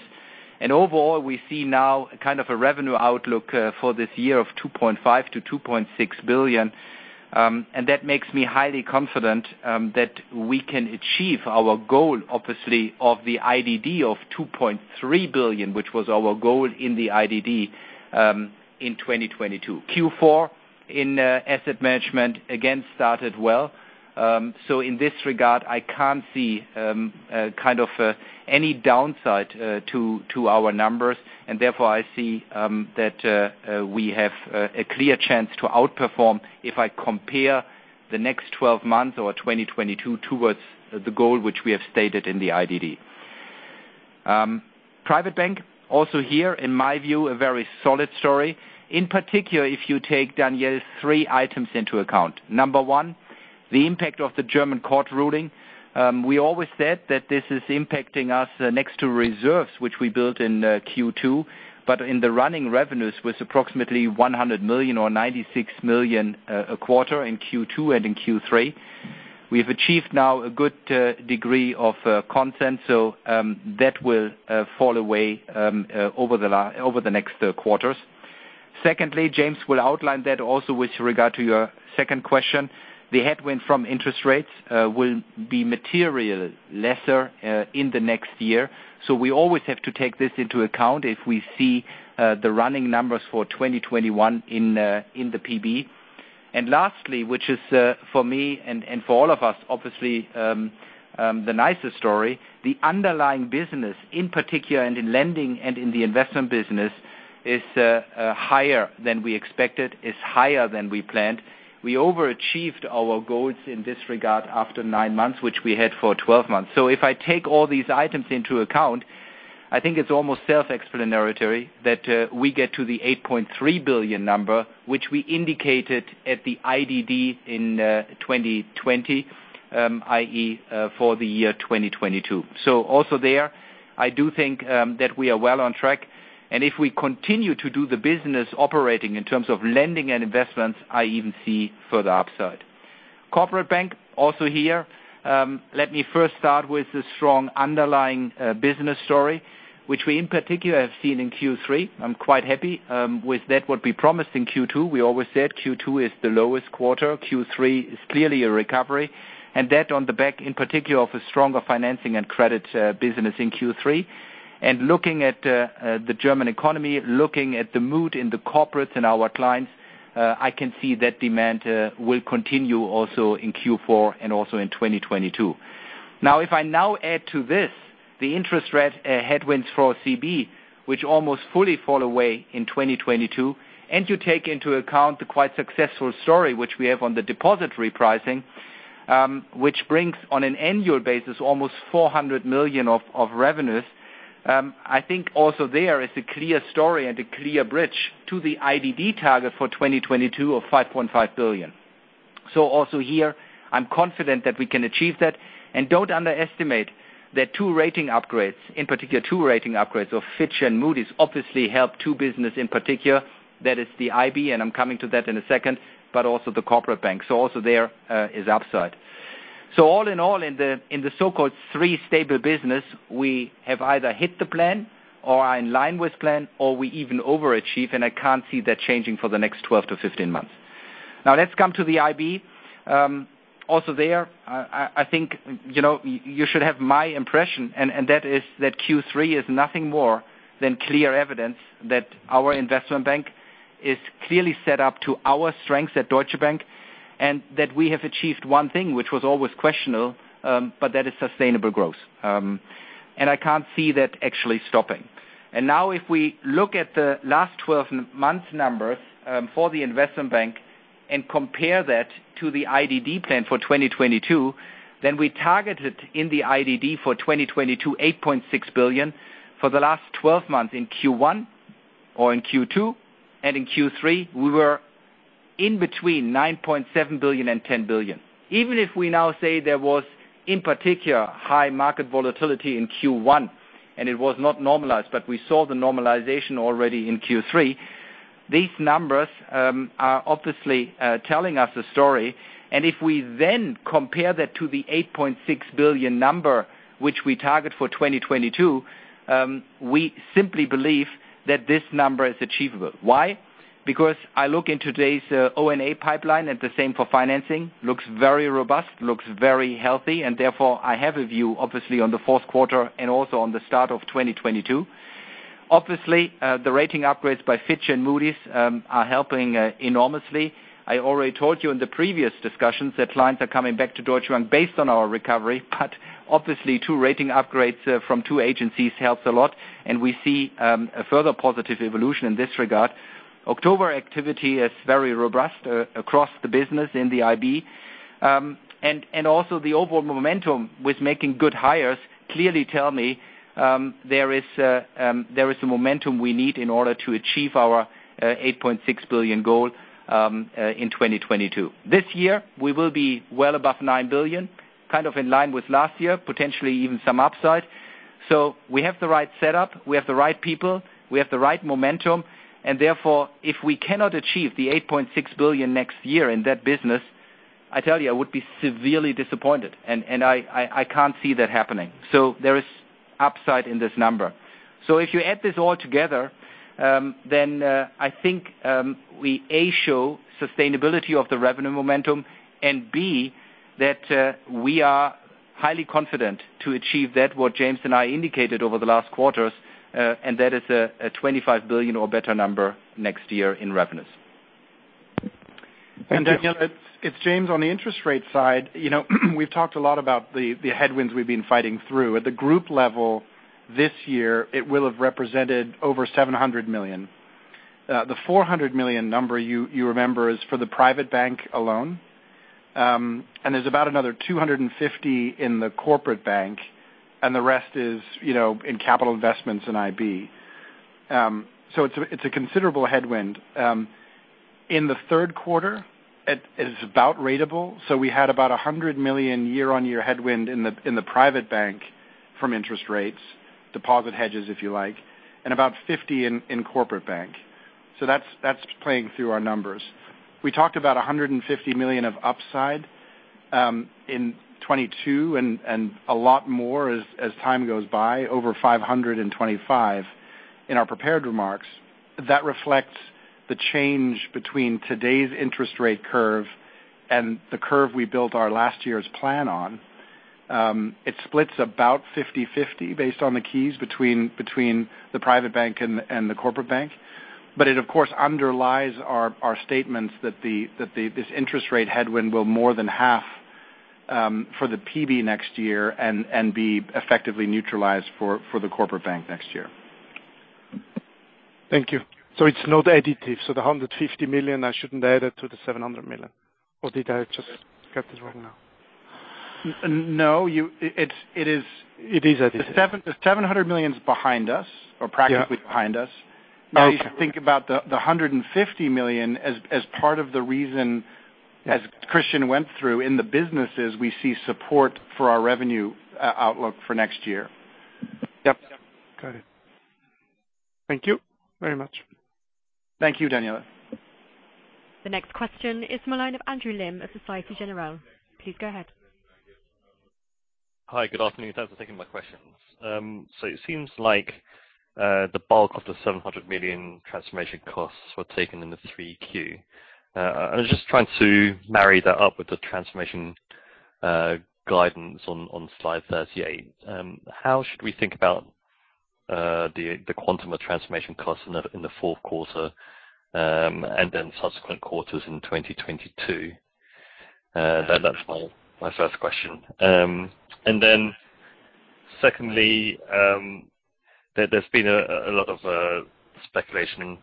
Overall we see now kind of a revenue outlook for this year of 2.5 billion-2.6 billion, and that makes me highly confident that we can achieve our goal, obviously, of the IDD of 2.3 billion, which was our goal in the IDD in 2022. Q4 in asset management again started well, so in this regard I can't see kind of any downside to our numbers, and therefore I see that we have a clear chance to outperform if I compare the next 12 months or 2022 towards the goal which we have stated in the IDD. Private bank, also here in my view a very solid story, in particular if you take Daniele's three items into account. Number one, the impact of the German court ruling. We always said that this is impacting us next to reserves, which we built in Q2, but in the running revenues was approximately 100 million or 96 million a quarter in Q2 and in Q3. We have achieved now a good degree of containment, so that will fall away over the next quarters. Secondly, James will outline that also with regard to your second question, the headwind from interest rates will be materially less in the next year. We always have to take this into account if we see the running numbers for 2021 in the PB. Lastly, which is for me and for all of us obviously the nicest story, the underlying business in particular and in lending and in the investment business is higher than we expected, higher than we planned. We overachieved our goals in this regard after nine months, which we had for 12 months. If I take all these items into account, I think it's almost self-explanatory that we get to the 8.3 billion number, which we indicated at the IDD in 2020, i.e., for the year 2022. Also there, I do think that we are well on track, and if we continue to do the business operating in terms of lending and investments, I even see further upside. Corporate Bank, also here, let me first start with the strong underlying business story, which we in particular have seen in Q3. I'm quite happy with what we promised in Q2. We always said Q2 is the lowest quarter. Q3 is clearly a recovery, and that on the back of a stronger financing and credit business in Q3. Looking at the German economy, looking at the mood in the corporates and our clients, I can see that demand will continue also in Q4 and also in 2022. Now if I now add to this the interest rate headwinds for CB, which almost fully fall away in 2022, and you take into account the quite successful story which we have on the deposit repricing, which brings on an annual basis almost 400 million of revenues, I think also there is a clear story and a clear bridge to the IDD target for 2022 of 5.5 billion. Also here, I'm confident that we can achieve that. Don't underestimate that two rating upgrades, in particular two rating upgrades of Fitch and Moody's obviously helped our business in particular. That is the IB, and I'm coming to that in a second, but also the corporate bank. Also there is upside. All in all, in the so-called three stable business, we have either hit the plan or are in line with plan or we even overachieve, and I can't see that changing for the next 12-15 months. Now let's come to the IB. Also there, I think you know you should have my impression, and that is that Q3 is nothing more than clear evidence that our Investment Bank is clearly set up to our strengths at Deutsche Bank, and that we have achieved one thing, which was always questionable, but that is sustainable growth. I can't see that actually stopping. Now if we look at the last 12 months numbers for the investment bank and compare that to the IDD plan for 2022, then we targeted in the IDD for 2022, 8.6 billion. For the last 12 months in Q1 or in Q2 and in Q3, we were in between 9.7 billion and 10 billion. Even if we now say there was, in particular, high market volatility in Q1, and it was not normalized, but we saw the normalization already in Q3, these numbers are obviously telling us a story. If we then compare that to the 8.6 billion number, which we target for 2022, we simply believe that this number is achievable. Why? Because I look in today's O&A pipeline and the same for financing, looks very robust, looks very healthy, and therefore I have a view, obviously on the fourth quarter and also on the start of 2022. Obviously, the rating upgrades by Fitch and Moody's are helping enormously. I already told you in the previous discussions that clients are coming back to Deutsche Bank based on our recovery, but obviously two rating upgrades from two agencies helps a lot, and we see a further positive evolution in this regard. October activity is very robust across the business in the IB. And also the overall momentum with making good hires clearly tell me there is a momentum we need in order to achieve our 8.6 billion goal in 2022. This year, we will be well above 9 billion, kind of in line with last year, potentially even some upside. We have the right setup, we have the right people, we have the right momentum, and therefore, if we cannot achieve the 8.6 billion next year in that business, I tell you, I would be severely disappointed and I can't see that happening. There is upside in this number. If you add this all together, then I think we A, show sustainability of the revenue momentum, and B, that we are highly confident to achieve that, what James and I indicated over the last quarters, and that is a 25 billion or better number next year in revenues. Thank you. Daniele, it's James. On the interest rate side, you know, we've talked a lot about the headwinds we've been fighting through. At the group level this year, it will have represented over 700 million. The 400 million number you remember is for the private bank alone. And there's about another 250 million in the corporate bank, and the rest is, you know, in capital investments in IB. It's a considerable headwind. In the third quarter, it is about ratable. We had about a 100 million year-on-year headwind in the private bank from interest rates, deposit hedges, if you like, and about 50 million in corporate bank. That's playing through our numbers. We talked about 150 million of upside in 2022 and a lot more as time goes by, over 525 million in our prepared remarks. That reflects the change between today's interest rate curve and the curve we built our plan last year on. It splits about 50/50 based on the KPIs between the Private Bank and the Corporate Bank. It of course underlies our statements that this interest rate headwind will more than halve for the PB next year and be effectively neutralized for the Corporate Bank next year. Thank you. It's not additive. The 150 million, I shouldn't add it to the 700 million. Did I just get this wrong now? N-no, you... It's, it is- It is additive. The 700 million is behind us. Yeah. Practically behind us. Okay. Now you should think about the 150 million as part of the reason. Yes. As Christian went through in the businesses, we see support for our revenue outlook for next year. Yep. Got it. Thank you very much. Thank you, Daniele. The next question is the line of Andrew Lim of Société Générale. Please go ahead. Hi. Good afternoon. Thanks for taking my questions. So it seems like the bulk of the 700 million transformation costs were taken in the 3Q. I was just trying to marry that up with the transformation guidance on slide 38. How should we think about the quantum of transformation costs in the fourth quarter and then subsequent quarters in 2022? That's my first question. Then secondly, there's been a lot of speculation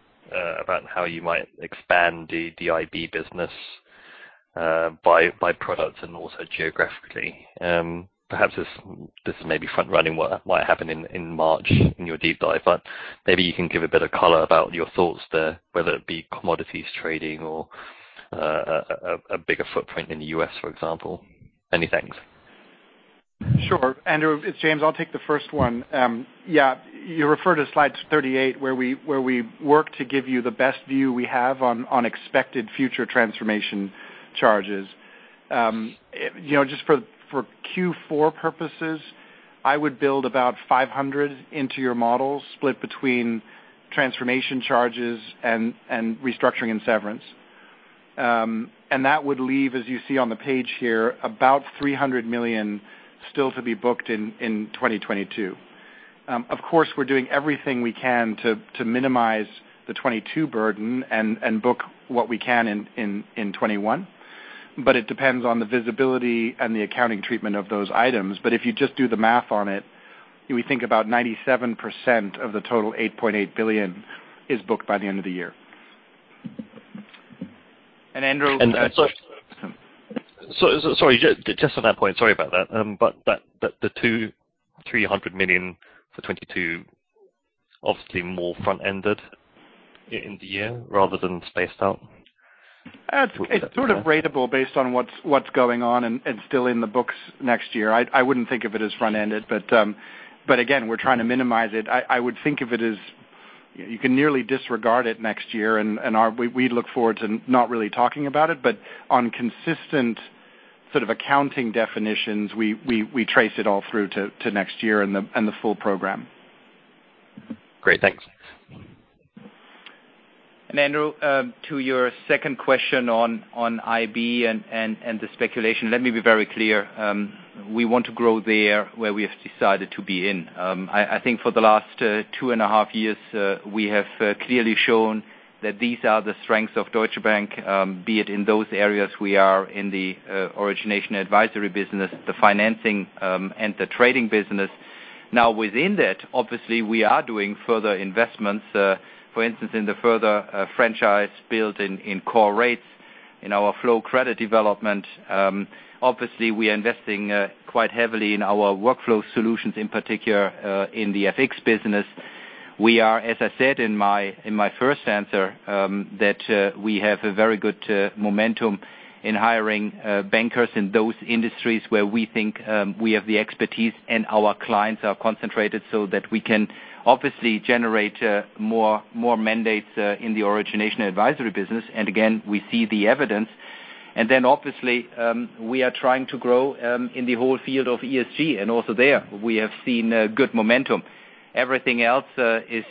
about how you might expand the IB business by product and also geographically. Perhaps this is maybe front running what might happen in March in your Deep Dive, but maybe you can give a bit of color about your thoughts there, whether it be commodities trading or a bigger footprint in the U.S., for example. Many thanks. Sure. Andrew, it's James. I'll take the first one. Yeah, you refer to slide 38 where we work to give you the best view we have on expected future transformation charges. You know, just for Q4 purposes, I would build about 500 into your model split between transformation charges and restructuring and severance. That would leave, as you see on the page here, about 300 million still to be booked in 2022. Of course, we're doing everything we can to minimize the 2022 burden and book what we can in 2021, but it depends on the visibility and the accounting treatment of those items. If you just do the math on it, we think about 97% of the total 8.8 billion is booked by the end of the year. Andrew- And, so- So sorry, just on that point, sorry about that. That, the 200 million-300 million for 2022 obviously more front-ended in the year rather than spaced out? It's sort of ratable based on what's going on and still in the books next year. I wouldn't think of it as front-ended. Again, we're trying to minimize it. I would think of it as you can nearly disregard it next year and we look forward to not really talking about it. On consistent sort of accounting definitions, we trace it all through to next year and the full program. Great. Thanks. Andrew, to your second question on IB and the speculation, let me be very clear. We want to grow there where we have decided to be in. I think for the last two and a half years, we have clearly shown that these are the strengths of Deutsche Bank, be it in those areas we are in the origination advisory business, the financing, and the trading business. Now, within that, obviously we are doing further investments, for instance, in the further franchise build in core rates in our flow credit development. Obviously we are investing quite heavily in our workflow solutions in particular, in the FX business. We are, as I said in my first answer, that we have a very good momentum in hiring bankers in those industries where we think we have the expertise and our clients are concentrated so that we can obviously generate more mandates in the Origination & Advisory business. Again, we see the evidence. Obviously, we are trying to grow in the whole field of ESG, and also there we have seen good momentum. Everything else is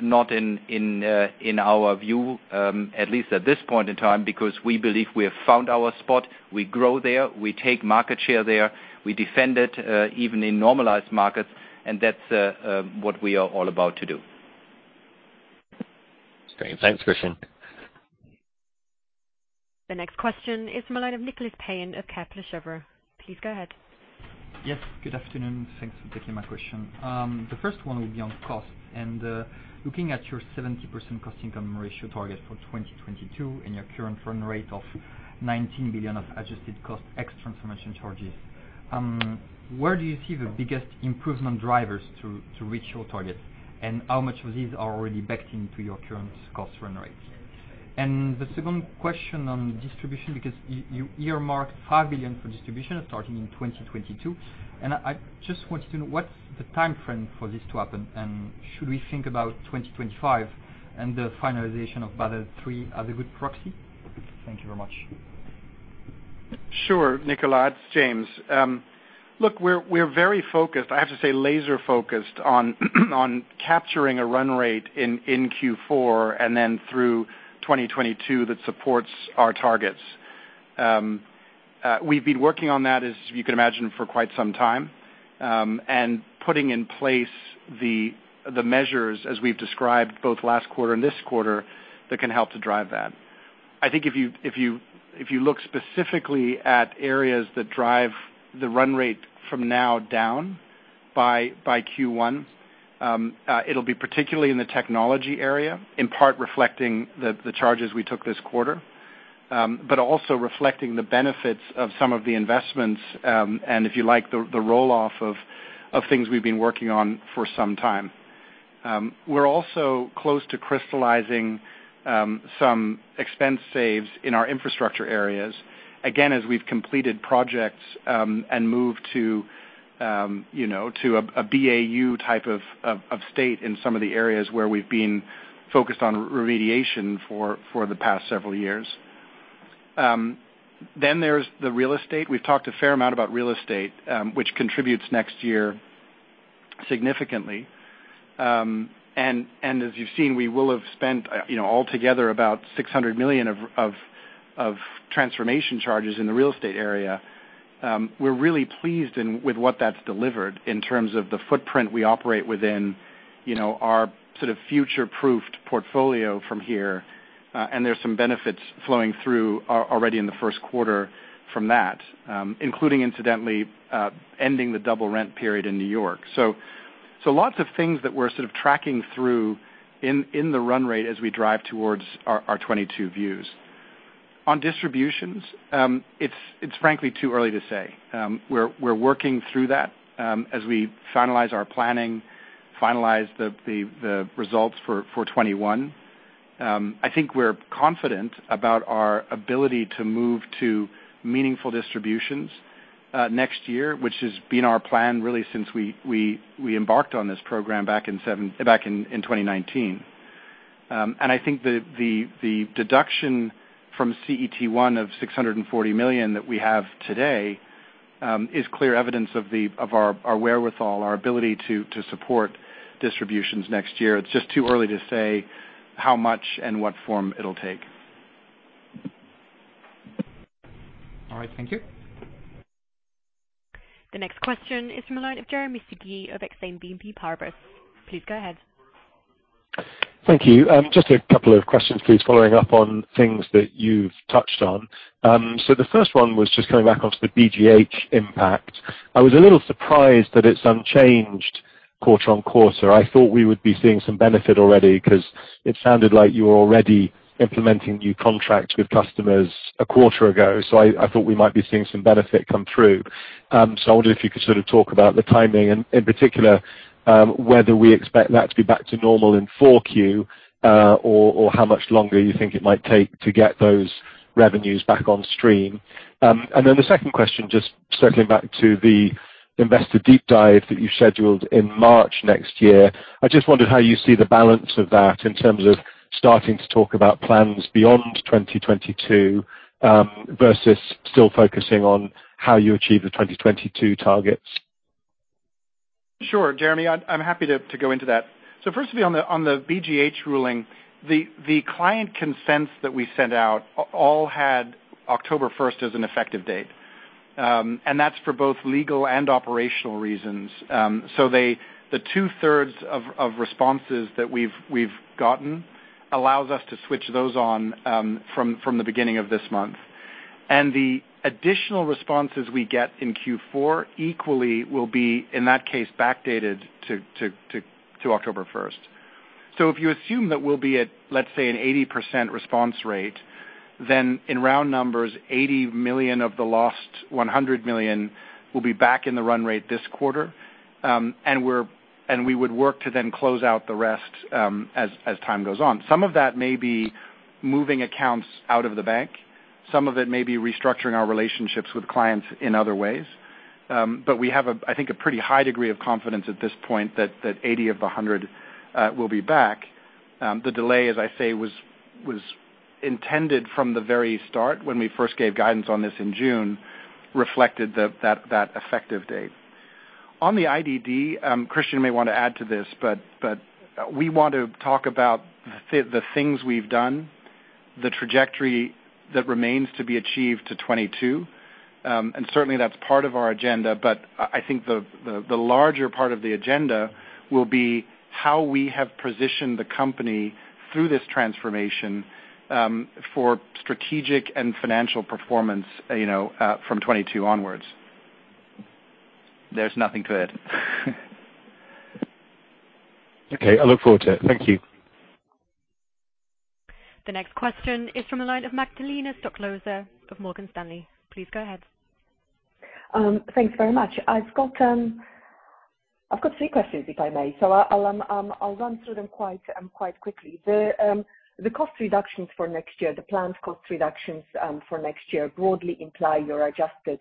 not, in our view, at least at this point in time, because we believe we have found our spot. We grow there, we take market share there, we defend it even in normalized markets, and that's what we are all about to do. Great. Thanks, Christian. The next question is the line of Nicolas Payen of Kepler Cheuvreux. Please go ahead. Yes, good afternoon. Thanks for taking my question. The first one will be on cost and looking at your 70% cost income ratio target for 2022 and your current run rate of 19 billion of adjusted cost ex transformation charges, where do you see the biggest improvement drivers to reach your target? How much of these are already backed into your current cost run rates? The second question on distribution, because you earmark 5 billion for distribution starting in 2022, and I just wanted to know what's the timeframe for this to happen, and should we think about 2025 and the finalization of Basel III as a good proxy? Thank you very much. Sure, Nicolas. James. Look, we're very focused, I have to say laser focused on capturing a run rate in Q4 and then through 2022 that supports our targets. We've been working on that, as you can imagine, for quite some time, and putting in place the measures as we've described both last quarter and this quarter that can help to drive that. I think if you look specifically at areas that drive the run rate from now down by Q1, it'll be particularly in the technology area, in part reflecting the charges we took this quarter, but also reflecting the benefits of some of the investments, and if you like, the roll-off of things we've been working on for some time. We're also close to crystallizing some expense saves in our infrastructure areas, again, as we've completed projects and moved to, you know, to a BAU type of state in some of the areas where we've been focused on remediation for the past several years. There's the real estate. We've talked a fair amount about real estate, which contributes next year significantly. As you've seen, we will have spent, you know, altogether about 600 million of transformation charges in the real estate area. We're really pleased with what that's delivered in terms of the footprint we operate within, you know, our sort of future-proofed portfolio from here. There's some benefits flowing through already in the first quarter from that, including incidentally, ending the double rent period in New York. Lots of things that we're sort of tracking through in the run rate as we drive towards our 2022 views. On distributions, it's frankly too early to say. We're working through that as we finalize our planning, finalize the results for 2021. I think we're confident about our ability to move to meaningful distributions next year, which has been our plan really since we embarked on this program back in 2019. I think the deduction from CET1 of 640 million that we have today is clear evidence of our wherewithal, our ability to support distributions next year. It's just too early to say how much and what form it'll take. All right, thank you. The next question is from the line of Jeremy Sigee of Exane BNP Paribas. Please go ahead. Thank you. Just a couple of questions, please, following up on things that you've touched on. The first one was just coming back onto the BGH impact. I was a little surprised that it's unchanged quarter-over-quarter. I thought we would be seeing some benefit already because it sounded like you were already implementing new contracts with customers a quarter ago. I thought we might be seeing some benefit come through. I wonder if you could sort of talk about the timing and, in particular, whether we expect that to be back to normal in 4Q, or how much longer you think it might take to get those revenues back on stream. The second question, just circling back to the Investor Deep Dive that you scheduled in March next year, I just wondered how you see the balance of that in terms of starting to talk about plans beyond 2022, versus still focusing on how you achieve the 2022 targets. Sure, Jeremy. I'm happy to go into that. First of all, on the BGH ruling, the client consents that we sent out all had October 1st as an effective date. That's for both legal and operational reasons. The two-thirds of responses that we've gotten allows us to switch those on from the beginning of this month. The additional responses we get in Q4 equally will be, in that case, backdated to October 1st. If you assume that we'll be at, let's say, a 80% response rate, then in round numbers, 80 million of the lost 100 million will be back in the run rate this quarter. We would work to then close out the rest as time goes on. Some of that may be moving accounts out of the bank. Some of it may be restructuring our relationships with clients in other ways. We have a, I think, a pretty high degree of confidence at this point that 80 of the 100 will be back. The delay, as I say, was intended from the very start when we first gave guidance on this in June, reflected the effective date. On the IDD, Christian may want to add to this, but we want to talk about the things we've done, the trajectory that remains to be achieved to 2022, and certainly that's part of our agenda. I think the larger part of the agenda will be how we have positioned the company through this transformation for strategic and financial performance, you know, from 2022 onwards. There's nothing to add. Okay, I look forward to it. Thank you. The next question is from the line of Magdalena Stoklosa of Morgan Stanley. Please go ahead. Thanks very much. I've got three questions, if I may. I'll run through them quite quickly. The cost reductions for next year, the planned cost reductions, for next year broadly imply your adjusted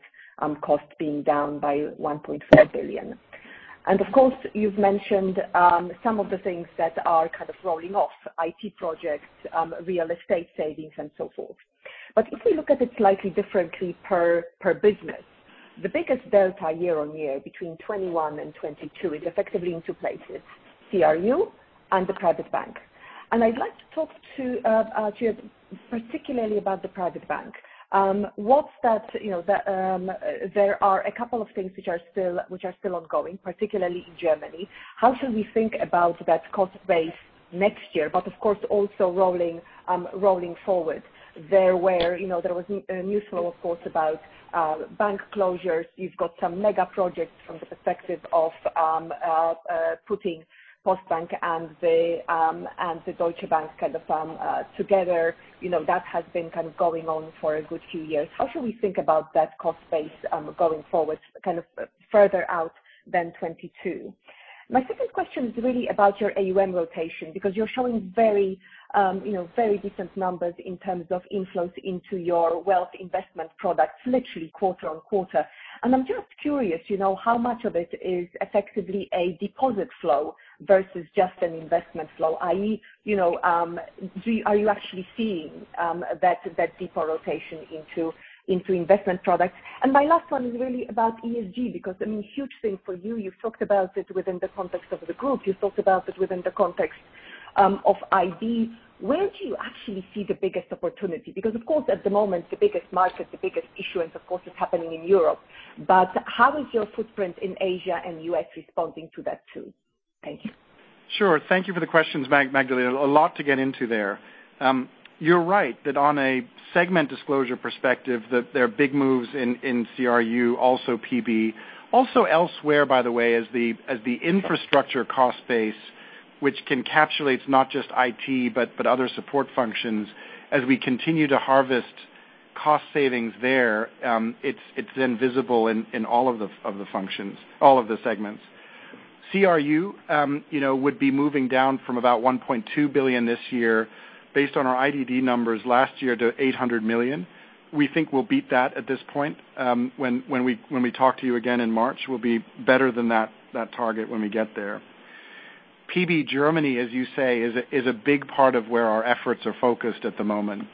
costs being down by 1.4 billion. Of course, you've mentioned some of the things that are kind of rolling off, IT projects, real estate savings, and so forth. If we look at it slightly differently per business, the biggest delta year-on-year between 2021 and 2022 is effectively in two places, CRU and the private bank. I'd like to talk to you particularly about the private bank. What's that, you know, the, there are a couple of things which are still ongoing, particularly in Germany. How should we think about that cost base next year, but of course, also rolling forward? There was news flow, of course, about bank closures. You've got some mega projects from the perspective of putting Postbank and the Deutsche Bank kind of together. You know, that has been kind of going on for a good few years. How should we think about that cost base going forward kind of further out than 2022? My second question is really about your AUM rotation, because you're showing very different numbers in terms of inflows into your wealth investment products literally quarter on quarter. I'm just curious, you know, how much of it is effectively a deposit flow versus just an investment flow? I.e., you know, are you actually seeing that deeper rotation into investment products? My last one is really about ESG, because I mean, huge thing for you. You've talked about it within the context of the group. You've talked about it within the context of IB. Where do you actually see the biggest opportunity? Because of course, at the moment, the biggest market, the biggest issuance, of course, is happening in Europe. How is your footprint in Asia and U.S. responding to that too? Thank you. Sure. Thank you for the questions, Magdalena. A lot to get into there. You're right that on a segment disclosure perspective that there are big moves in CRU, also PB. Also elsewhere, by the way, as the infrastructure cost base, which encapsulates not just IT, but other support functions, as we continue to harvest cost savings there, it's then visible in all of the functions, all of the segments. CRU, you know, would be moving down from about 1.2 billion this year based on our IDD numbers last year to 800 million. We think we'll beat that at this point, when we talk to you again in March, we'll be better than that target when we get there. PB Germany, as you say, is a big part of where our efforts are focused at the moment.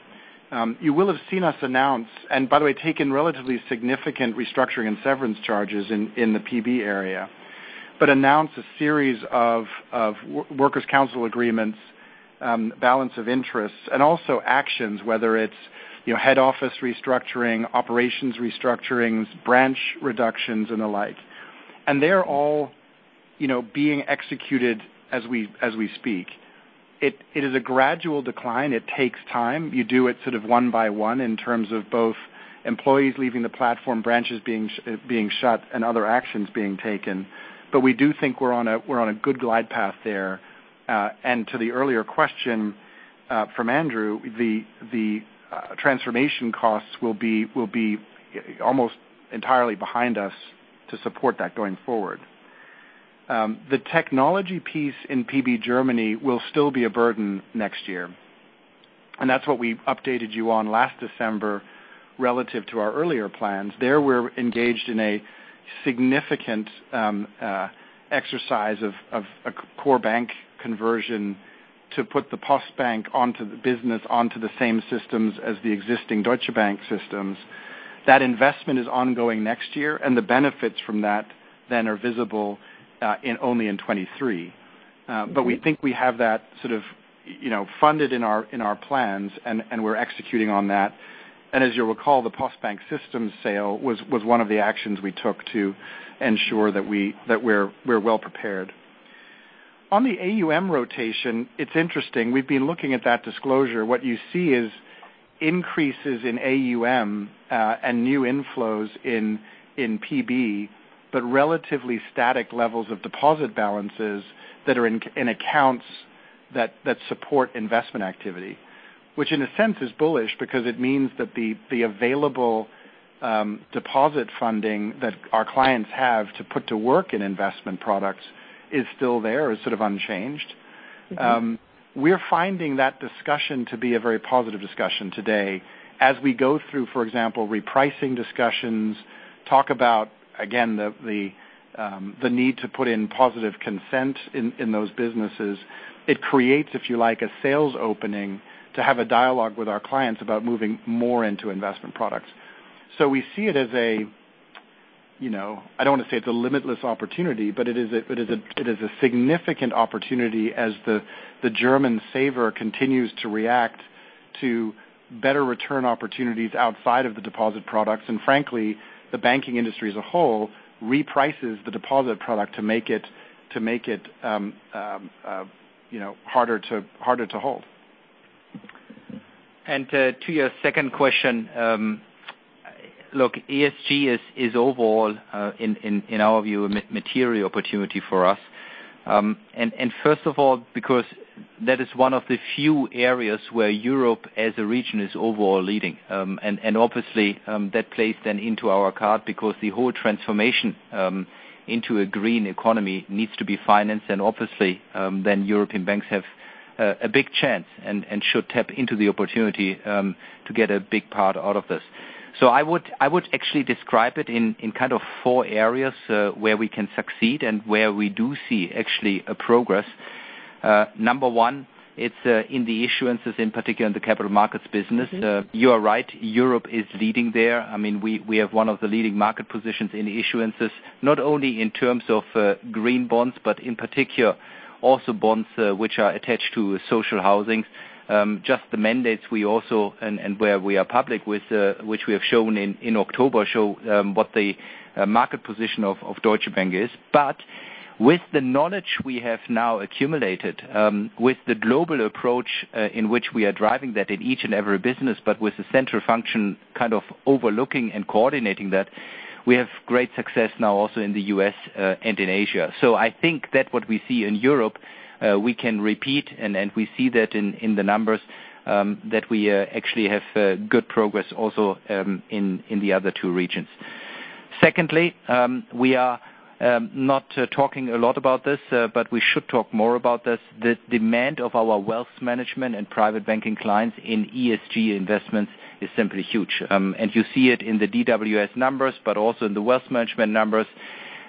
You will have seen us announce, and by the way, taken relatively significant restructuring and severance charges in the PB area. Announce a series of works council agreements, balance of interests and also actions, whether it's, you know, head office restructuring, operations restructurings, branch reductions and the like. They're all, you know, being executed as we speak. It is a gradual decline. It takes time. You do it sort of one by one in terms of both employees leaving the platform, branches being shut and other actions being taken. We do think we're on a good glide path there. To the earlier question from Andrew, the transformation costs will be almost entirely behind us to support that going forward. The technology piece in PB Germany will still be a burden next year, and that's what we updated you on last December relative to our earlier plans. We're engaged in a significant exercise of a core bank conversion to put the Postbank onto the same systems as the existing Deutsche Bank systems. That investment is ongoing next year, and the benefits from that then are visible in only 2023. We think we have that sort of, you know, funded in our plans and we're executing on that. As you'll recall, the Postbank systems sale was one of the actions we took to ensure that we're well prepared. On the AUM rotation, it's interesting. We've been looking at that disclosure. What you see is increases in AUM and new inflows in PB, but relatively static levels of deposit balances that are in accounts that support investment activity, which in a sense is bullish because it means that the available deposit funding that our clients have to put to work in investment products is still there, is sort of unchanged. We're finding that discussion to be a very positive discussion today as we go through, for example, repricing discussions, talk about again the need to put in positive consent in those businesses. It creates, if you like, a sales opening to have a dialogue with our clients about moving more into investment products. We see it as a, you know, I don't want to say it's a limitless opportunity, but it is a significant opportunity as the German saver continues to react to better return opportunities outside of the deposit products. Frankly, the banking industry as a whole reprices the deposit product to make it you know, harder to hold. To your second question, look, ESG is overall in our view a material opportunity for us. First of all because that is one of the few areas where Europe as a region is overall leading. Obviously, that plays then into our card because the whole transformation into a green economy needs to be financed. Obviously, then European banks have a big chance and should tap into the opportunity to get a big part out of this. I would actually describe it in kind of four areas where we can succeed and where we do see actually a progress. Number one, it's in the issuances, in particular in the capital markets business. You are right, Europe is leading there. I mean, we have one of the leading market positions in issuances, not only in terms of green bonds, but in particular also bonds which are attached to social housings. Just the mandates we also and where we are public with, which we have shown in October, show what the market position of Deutsche Bank is. With the knowledge we have now accumulated, with the global approach in which we are driving that in each and every business, but with the central function kind of overlooking and coordinating that, we have great success now also in the U.S. and in Asia. I think that what we see in Europe, we can repeat and we see that in the numbers, that we actually have good progress also in the other two regions. Secondly, we are not talking a lot about this, but we should talk more about this. The demand of our wealth management and private banking clients in ESG investments is simply huge. You see it in the DWS numbers, but also in the wealth management numbers.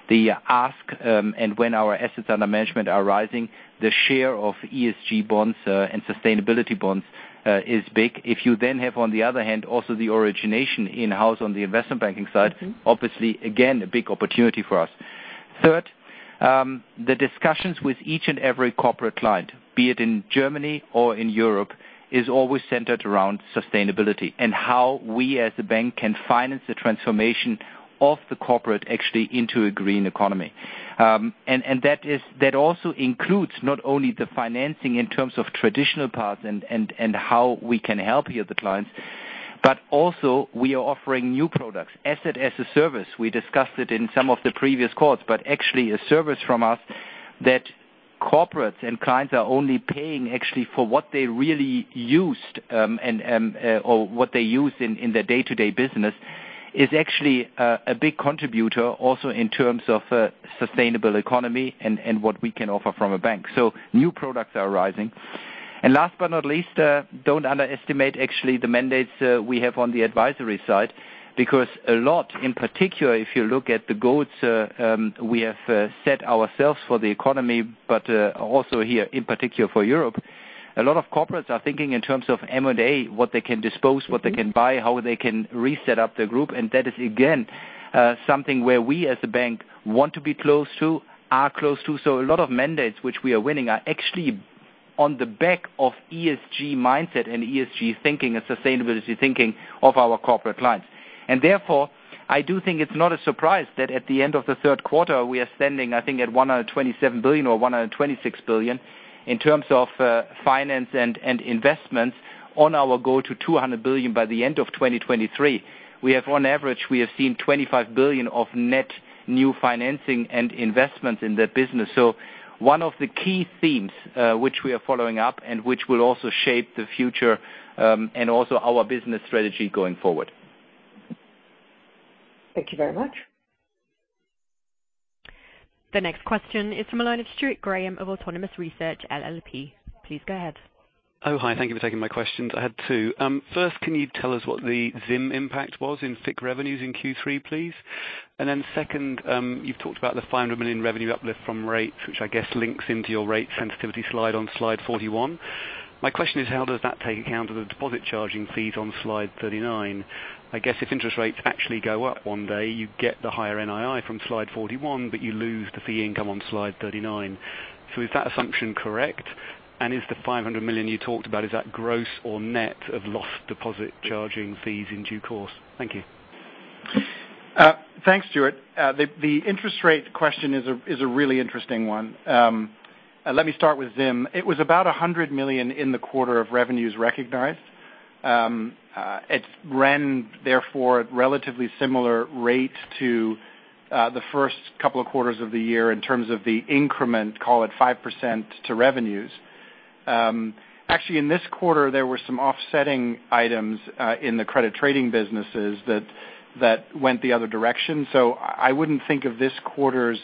The ask and when our assets under management are rising, the share of ESG bonds and sustainability bonds is big. If you then have, on the other hand, also the origination in-house on the investment banking side, obviously again, a big opportunity for us. Third, the discussions with each and every corporate client, be it in Germany or in Europe, is always centered around sustainability and how we as a bank can finance the transformation of the corporate actually into a green economy. And that also includes not only the financing in terms of traditional paths and how we can help here the clients, but also we are offering new products. Asset-as-a-Service, we discussed it in some of the previous calls, but actually a service from us that corporates and clients are only paying actually for what they really used, or what they use in their day-to-day business is actually a big contributor also in terms of sustainable economy and what we can offer from a bank. New products are rising. Last but not least, don't underestimate actually the mandates we have on the advisory side. Because a lot, in particular, if you look at the goals we have set ourselves for the economy, but also here, in particular for Europe, a lot of corporates are thinking in terms of M&A, what they can dispose, what they can buy, how they can re-set up the group, and that is again something where we as a bank want to be close to, are close to. A lot of mandates which we are winning are actually on the back of ESG mindset and ESG thinking and sustainability thinking of our corporate clients. Therefore, I do think it's not a surprise that at the end of the third quarter we are standing, I think, at 127 billion or 126 billion in terms of financing and investments on our goal to 200 billion by the end of 2023. We have on average seen 25 billion of net new financing and investments in that business. One of the key themes which we are following up and which will also shape the future and also our business strategy going forward. Thank you very much. The next question is from the line of Stuart Graham of Autonomous Research LLP. Please go ahead. Oh, hi. Thank you for taking my questions. I had two. First, can you tell us what the ZIM impact was in FIC revenues in Q3, please? And then second, you've talked about the 500 million revenue uplift from rates, which I guess links into your rate sensitivity slide on slide 41. My question is, how does that take account of the deposit charging fees on slide 39? I guess if interest rates actually go up one day, you get the higher NII from slide 41, but you lose the fee income on slide 39. So is that assumption correct? And is the 500 million you talked about, is that gross or net of lost deposit charging fees in due course? Thank you. Thanks, Stuart. The interest rate question is a really interesting one. Let me start with ZIM. It was about 100 million in the quarter of revenues recognized. It ran therefore at relatively similar rate to the first couple of quarters of the year in terms of the increment, call it 5% to revenues. Actually in this quarter there were some offsetting items in the credit trading businesses that went the other direction. I wouldn't think of this quarter's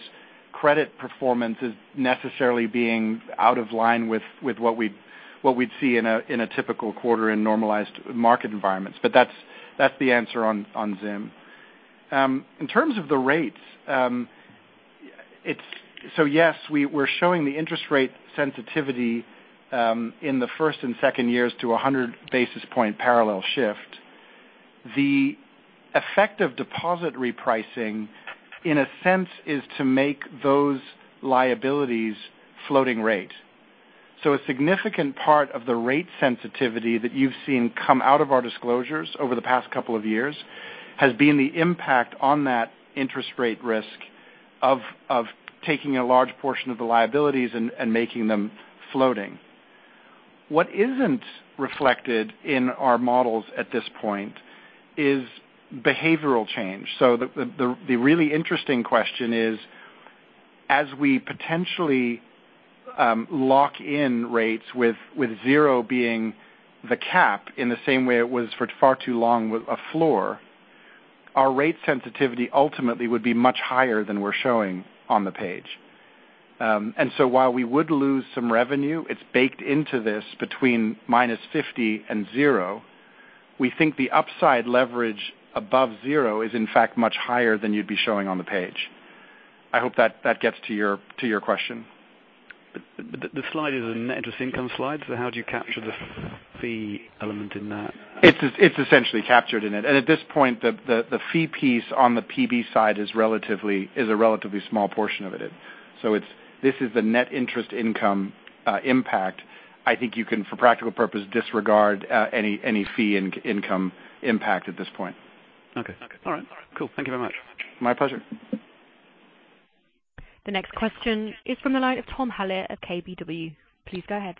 credit performance as necessarily being out of line with what we'd see in a typical quarter in normalized market environments. But that's the answer on ZIM. In terms of the rates, it's... We're showing the interest rate sensitivity in the first and second years to 100 basis point parallel shift. The effect of deposit repricing in a sense is to make those liabilities floating rate. A significant part of the rate sensitivity that you've seen come out of our disclosures over the past couple of years has been the impact on that interest rate risk of taking a large portion of the liabilities and making them floating. What isn't reflected in our models at this point is behavioral change. The really interesting question is, as we potentially lock in rates with zero being the cap in the same way it was for far too long with a floor, our rate sensitivity ultimately would be much higher than we're showing on the page. While we would lose some revenue, it's baked into this between -50 and 0. We think the upside leverage above 0 is in fact much higher than you'd be showing on the page. I hope that gets to your question. The slide is a net interest income slide, so how do you capture the fee element in that? It's essentially captured in it. At this point, the fee piece on the PB side is a relatively small portion of it. This is the net interest income impact. I think you can, for practical purposes, disregard any fee income impact at this point. Okay. All right. Cool. Thank you very much. My pleasure. The next question is from the line of Tom Hallett at KBW. Please go ahead.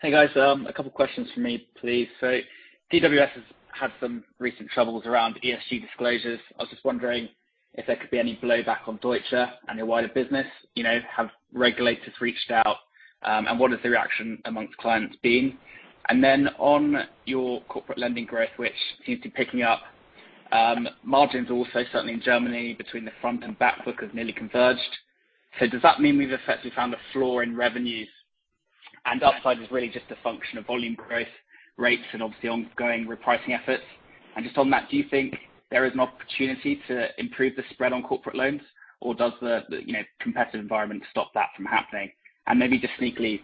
Hey, guys. A couple questions from me, please. DWS has had some recent troubles around ESG disclosures. I was just wondering if there could be any blowback on Deutsche and your wider business. You know, have regulators reached out, and what has the reaction amongst clients been? On your corporate lending growth, which seems to be picking up, margins also certainly in Germany between the front and back book have nearly converged. Does that mean we've effectively found a floor in revenues and upside is really just a function of volume growth rates and obviously ongoing repricing efforts? Just on that, do you think there is an opportunity to improve the spread on corporate loans or does the, you know, competitive environment stop that from happening? Maybe just neatly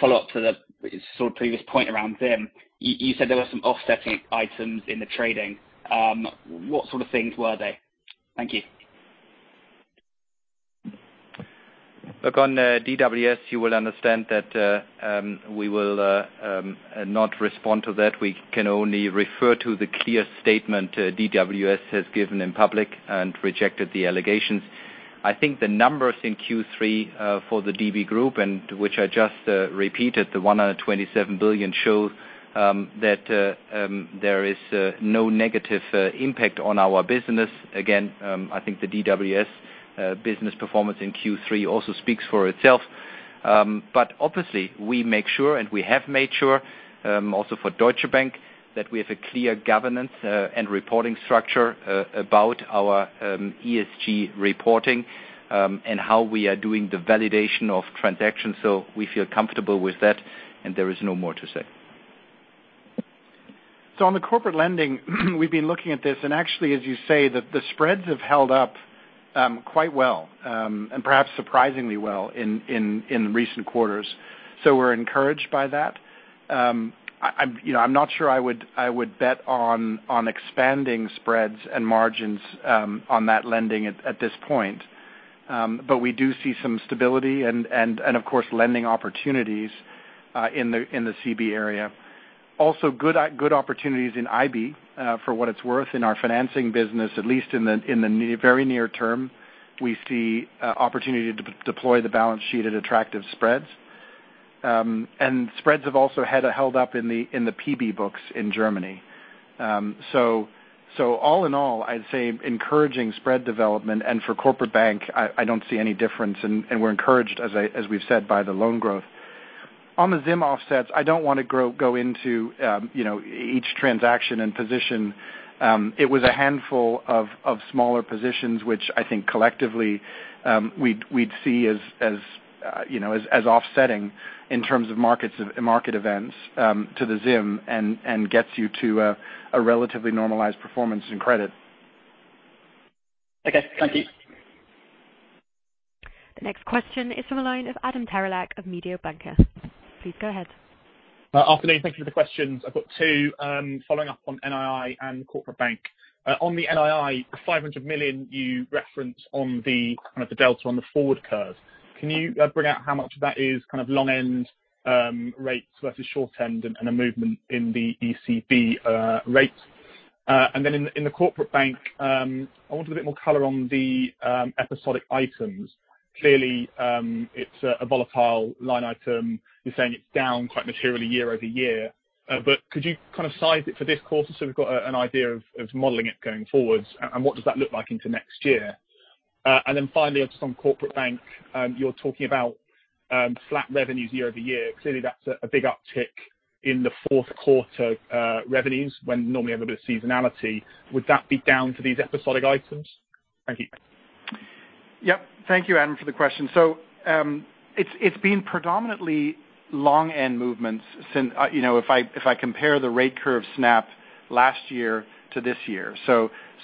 follow up to the sort of previous point around ZIM. You said there were some offsetting items in the trading. What sort of things were they? Thank you. Look, on DWS, you will understand that we will not respond to that. We can only refer to the clear statement DWS has given in public and rejected the allegations. I think the numbers in Q3 for the DB group, and which I just repeated, the 127 billion, show that there is no negative impact on our business. Again, I think the DWS business performance in Q3 also speaks for itself. But obviously we make sure, and we have made sure, also for Deutsche Bank, that we have a clear governance and reporting structure about our ESG reporting and how we are doing the validation of transactions. We feel comfortable with that and there is no more to say. On the corporate lending, we've been looking at this, and actually, as you say, the spreads have held up quite well, and perhaps surprisingly well in recent quarters. We're encouraged by that. You know, I'm not sure I would bet on expanding spreads and margins on that lending at this point. We do see some stability and, of course, lending opportunities in the CB area. Also, good opportunities in IB, for what it's worth in our financing business, at least in the very near term. We see opportunity to deploy the balance sheet at attractive spreads. And spreads have also held up in the PB books in Germany. All in all, I'd say encouraging spread development, and for Corporate Bank, I don't see any difference, and we're encouraged, as we've said, by the loan growth. On the ZIM offsets, I don't wanna go into, you know, each transaction and position. It was a handful of smaller positions, which I think collectively, we'd see as offsetting in terms of markets and market events, to the ZIM, and gets you to a relatively normalized performance in credit. Okay, thank you. The next question is from the line of Adam Terelak of Mediobanca. Please go ahead. Afternoon. Thank you for the questions. I've got two, following up on NII and Corporate Bank. On the NII, the 500 million you referenced on the kind of the delta on the forward curve, can you bring out how much of that is kind of long end rates versus short end and a movement in the ECB rate? Then in the corporate bank, I want a bit more color on the episodic items. Clearly, it's a volatile line item. You're saying it's down quite materially year-over-year. Could you kind of size it for this quarter so we've got an idea of modeling it going forward? What does that look like into next year? Finally, just on corporate bank, you're talking about flat revenues year-over-year. Clearly, that's a big uptick in the fourth quarter revenues when normally you have a bit of seasonality. Would that be down to these episodic items? Thank you. Yep. Thank you, Adam, for the question. It's been predominantly long end movements since. You know, if I compare the rate curve since last year to this year.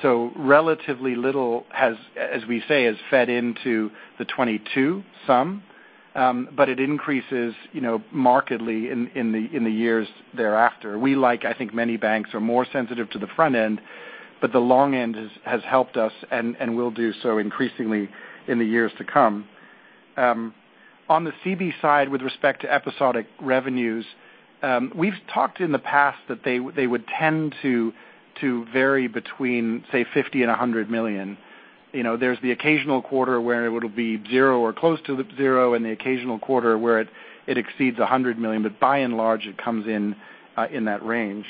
Relatively little has, as we say, fed into the 2022 sum, but it increases, you know, markedly in the years thereafter. Well, like, I think many banks are more sensitive to the front end, but the long end has helped us and will do so increasingly in the years to come. On the CB side, with respect to episodic revenues, we've talked in the past that they would tend to vary between, say, 50 million and 100 million. You know, there's the occasional quarter where it'll be zero or close to zero, and the occasional quarter where it exceeds 100 million. By and large, it comes in in that range.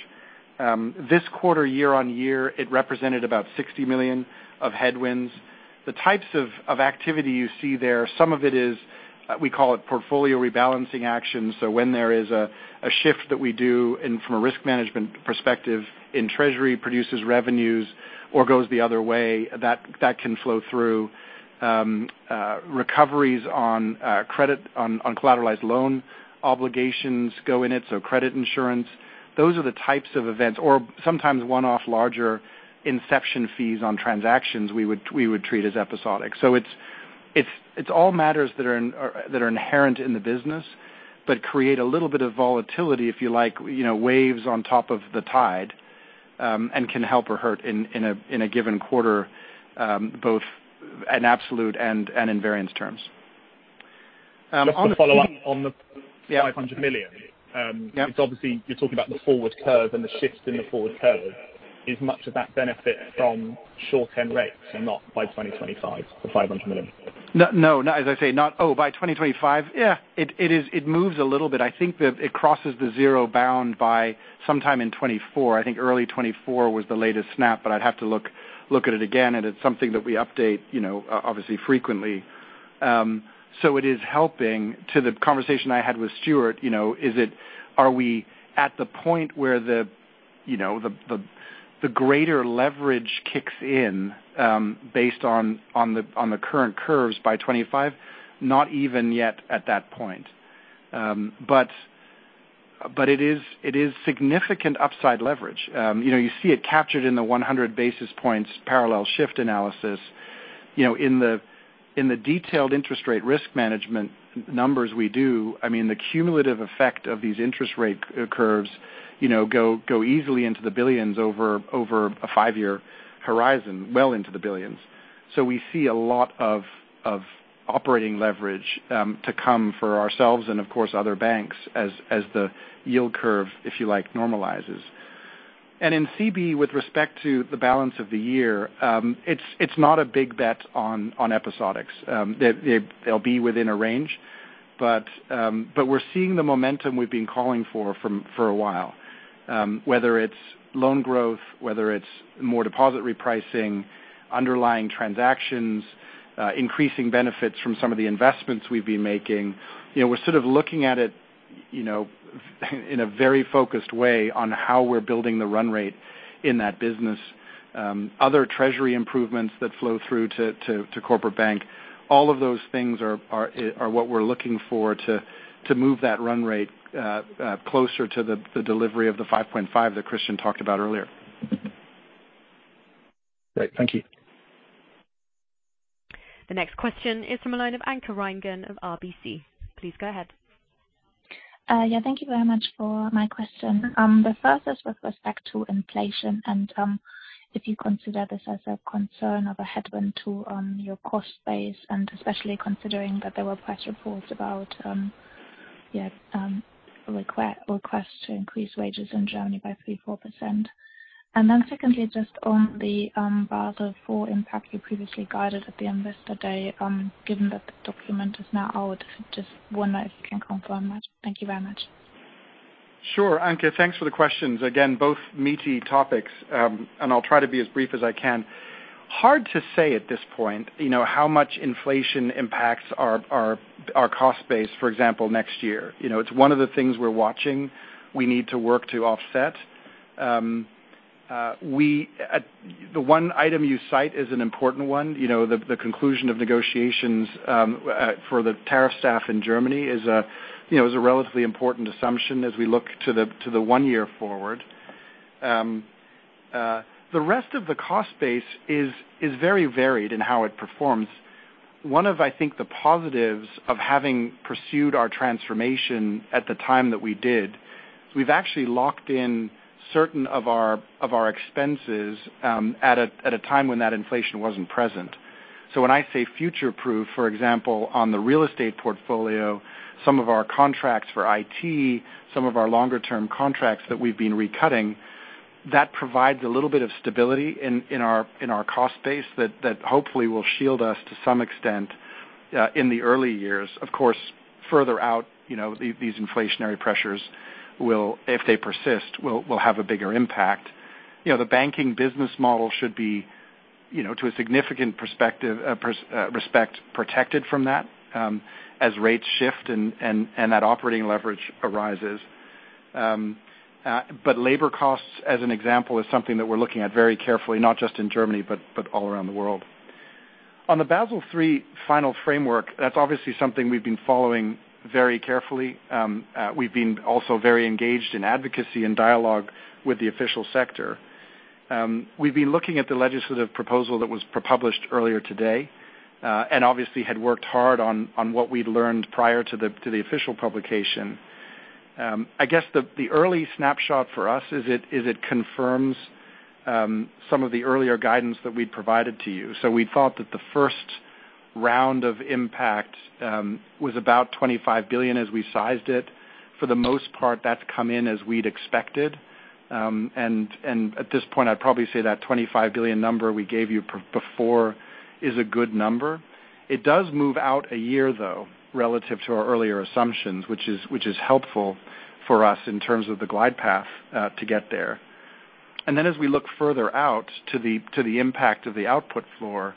This quarter, year-over-year, it represented about 60 million of headwinds. The types of activity you see there, some of it is, we call it portfolio rebalancing actions. When there is a shift that we do and from a risk management perspective in treasury produces revenues or goes the other way, that can flow through. Recoveries on credit on collateralized loan obligations go in it, so credit insurance. Those are the types of events, or sometimes one-off larger inception fees on transactions we would treat as episodic. It's all matters that are inherent in the business, but create a little bit of volatility, if you like, you know, waves on top of the tide, and can help or hurt in a given quarter, both in absolute and in variance terms. On the Just to follow up on the Yeah. 500 million. Yeah. It's obviously you're talking about the forward curve and the shifts in the forward curve. Is much of that benefit from short-term rates and not by 2025, the 500 million? No. As I say, not by 2025, yeah, it moves a little bit. I think that it crosses the zero bound by sometime in 2024. I think early 2024 was the latest snap, but I'd have to look at it again, and it's something that we update, you know, obviously frequently. So it is helping to the conversation I had with Stuart, you know, is it, are we at the point where the greater leverage kicks in, based on the current curves by 2025? Not even yet at that point. But it is significant upside leverage. You know, you see it captured in the 100 basis points parallel shift analysis. You know, in the detailed interest rate risk management numbers we do, I mean, the cumulative effect of these interest rate curves, you know, go easily into the billions over a five-year horizon, well into the billions. We see a lot of operating leverage to come for ourselves and of course, other banks as the yield curve, if you like, normalizes. In CB, with respect to the balance of the year, it's not a big bet on episodics. They'll be within a range. We're seeing the momentum we've been calling for a while. Whether it's loan growth, whether it's more deposit repricing, underlying transactions, increasing benefits from some of the investments we've been making. You know, we're sort of looking at it, you know, in a very focused way on how we're building the run rate in that business. Other treasury improvements that flow through to Corporate Bank, all of those things are what we're looking for to move that run rate closer to the delivery of the 5.5 that Christian talked about earlier. Great. Thank you. The next question is from the line of Anke Reingen of RBC. Please go ahead. Thank you very much for my question. The first is with respect to inflation, and if you consider this as a concern of a headwind to your cost base, and especially considering that there were press reports about request to increase wages in Germany by 3%-4%. Then secondly, just on the Basel IV impact you previously guided at the investor day, given that the document is now out, I just wonder if you can confirm that. Thank you very much. Sure. Anke, thanks for the questions. Again, both meaty topics, and I'll try to be as brief as I can. Hard to say at this point, you know, how much inflation impacts our cost base, for example, next year. You know, it's one of the things we're watching. We need to work to offset. The one item you cite is an important one. You know, the conclusion of negotiations for the tariff staff in Germany is a relatively important assumption as we look to the one-year forward. The rest of the cost base is very varied in how it performs. One of, I think, the positives of having pursued our transformation at the time that we did, we've actually locked in certain of our expenses at a time when that inflation wasn't present. When I say future proof, for example, on the real estate portfolio, some of our contracts for IT, some of our longer term contracts that we've been recutting, that provides a little bit of stability in our cost base that hopefully will shield us to some extent in the early years. Of course, further out, you know, these inflationary pressures will, if they persist, have a bigger impact. You know, the banking business model should be, you know, to a significant extent protected from that, as rates shift and that operating leverage arises. Labor costs, as an example, is something that we're looking at very carefully, not just in Germany, but all around the world. On the Basel III final framework, that's obviously something we've been following very carefully. We've been also very engaged in advocacy and dialogue with the official sector. We've been looking at the legislative proposal that was published earlier today, and obviously had worked hard on what we'd learned prior to the official publication. I guess the early snapshot for us is it confirms some of the earlier guidance that we'd provided to you. We thought that the first round of impact was about 25 billion as we sized it. For the most part, that's come in as we'd expected, and at this point, I'd probably say that 25 billion number we gave you before is a good number. It does move out a year, though, relative to our earlier assumptions, which is helpful for us in terms of the glide path to get there. As we look further out to the impact of the output floor,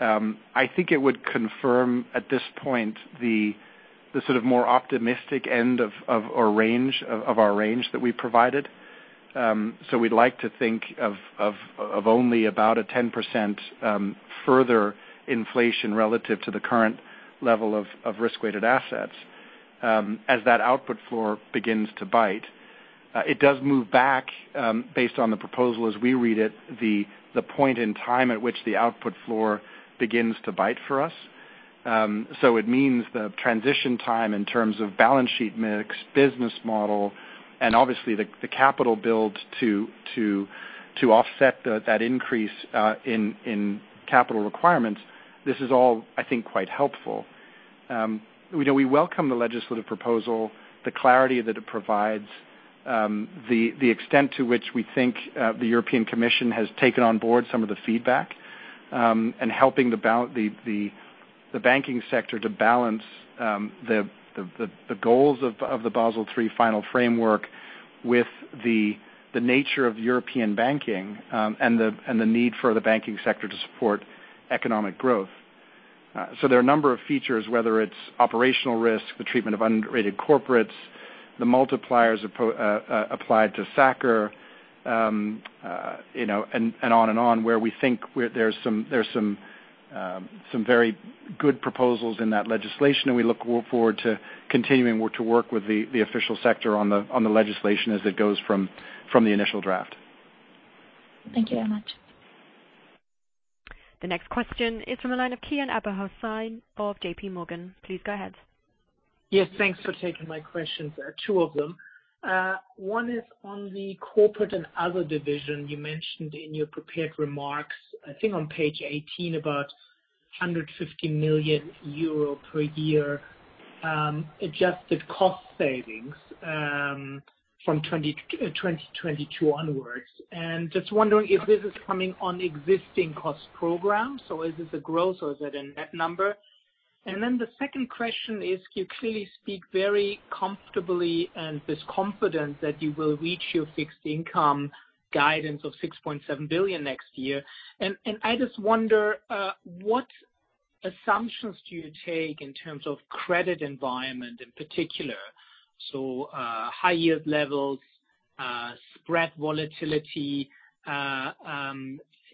I think it would confirm at this point the sort of more optimistic end of our range that we provided. We'd like to think of only about 10% further inflation relative to the current level of risk-weighted assets, as that output floor begins to bite. It does move back based on the proposal as we read it, the point in time at which the output floor begins to bite for us. It means the transition time in terms of balance sheet mix, business model, and obviously the capital build to offset that increase in capital requirements. This is all, I think, quite helpful. You know, we welcome the legislative proposal, the clarity that it provides, the extent to which we think the European Commission has taken on board some of the feedback, and helping the banking sector to balance the goals of the Basel III final framework with the nature of European banking, and the need for the banking sector to support economic growth. There are a number of features, whether it's operational risk, the treatment of underrated corporates, the multipliers applied to SA-CCR, you know, and on and on, where we think there's some very good proposals in that legislation. We look forward to continuing to work with the official sector on the legislation as it goes from the initial draft. Thank you very much. The next question is from the line of Kian Abouhossein of JPMorgan. Please go ahead. Yes, thanks for taking my questions. Two of them. One is on the corporate and other division. You mentioned in your prepared remarks, I think on page 18, about 150 million euro per year, adjusted cost savings, from 2022 onwards. Just wondering if this is coming on existing cost programs, so is this a growth or is it a net number? Then the second question is you clearly speak very comfortably and with confidence that you will reach your fixed income guidance of 6.7 billion next year. I just wonder what assumptions do you take in terms of credit environment in particular? High yield levels, spread volatility,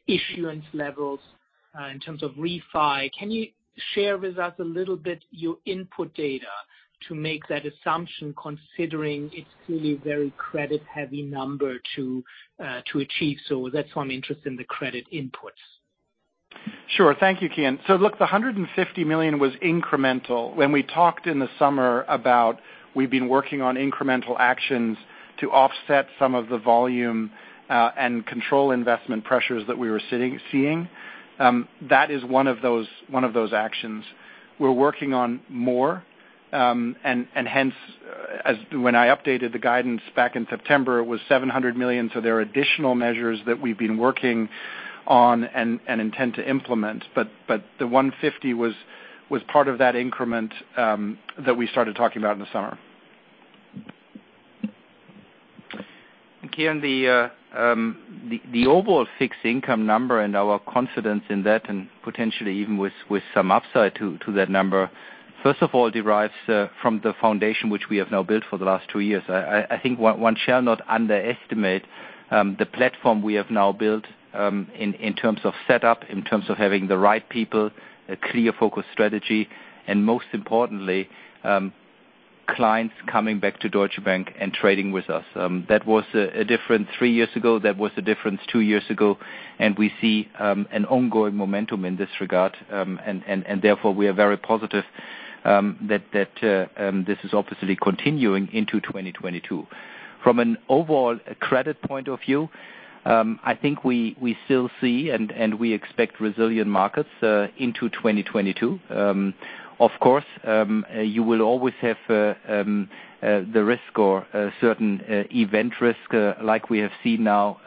issuance levels, in terms of refi. Can you share with us a little bit your input data to make that assumption considering it's clearly a very credit heavy number to achieve? That's why I'm interested in the credit inputs. Sure. Thank you, Kian. Look, 150 million was incremental. When we talked in the summer about we've been working on incremental actions to offset some of the volume, and control investment pressures that we were seeing, that is one of those actions. We're working on more, and hence, when I updated the guidance back in September, it was 700 million, so there are additional measures that we've been working on and intend to implement. The 150 was part of that increment that we started talking about in the summer. Kian, the overall fixed income number and our confidence in that and potentially even with some upside to that number first of all derives from the foundation which we have now built for the last two years. I think one shall not underestimate the platform we have now built in terms of setup, in terms of having the right people, a clear focus strategy, and most importantly, clients coming back to Deutsche Bank and trading with us. That was a different three years ago. That was a different two years ago. We see an ongoing momentum in this regard. Therefore we are very positive that this is obviously continuing into 2022. From an overall credit point of view, I think we still see and we expect resilient markets into 2022. Of course, you will always have the risk or a certain event risk like we have seen now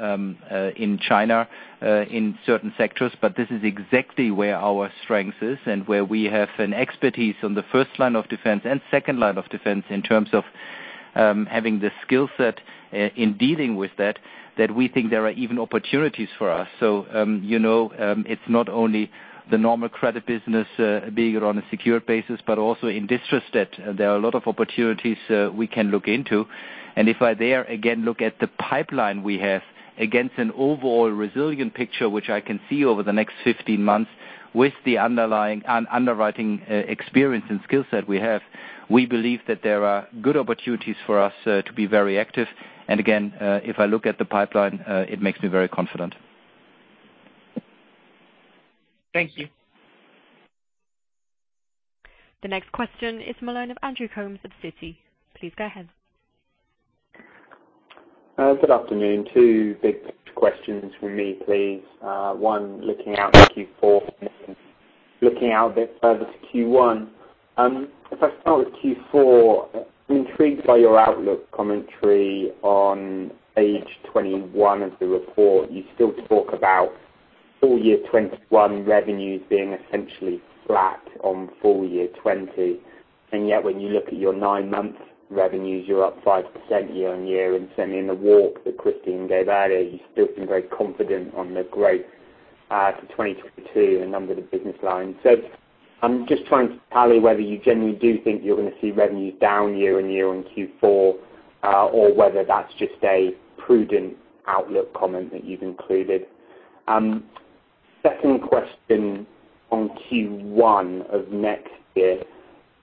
in China in certain sectors, but this is exactly where our strength is and where we have an expertise in the first line of defense and second line of defense in terms of having the skill set in dealing with that we think there are even opportunities for us. You know, it's not only the normal credit business being on a secure basis, but also in distressed debt, there are a lot of opportunities we can look into. If I look there again at the pipeline we have against an overall resilient picture, which I can see over the next 15 months with the underlying and underwriting experience and skill set we have, we believe that there are good opportunities for us to be very active. Again, if I look at the pipeline, it makes me very confident. Thank you. The next question is from the line of Andrew Coombs at Citi. Please go ahead. Good afternoon. Two big questions from me, please. One, looking out at Q4 and looking out a bit further to Q1. If I start with Q4, I'm intrigued by your outlook commentary on page 21 of the report. You still talk about full year 2021 revenues being essentially flat on full year 2020. Yet when you look at your nine-month revenues, you're up 5% year-on-year, and certainly in the walk that Christian gave earlier, you still seem very confident on the growth for 2022 in a number of the business lines. I'm just trying to tally whether you generally do think you're going to see revenues down year-on-year on Q4, or whether that's just a prudent outlook comment that you've included. Second question on Q1 of next year,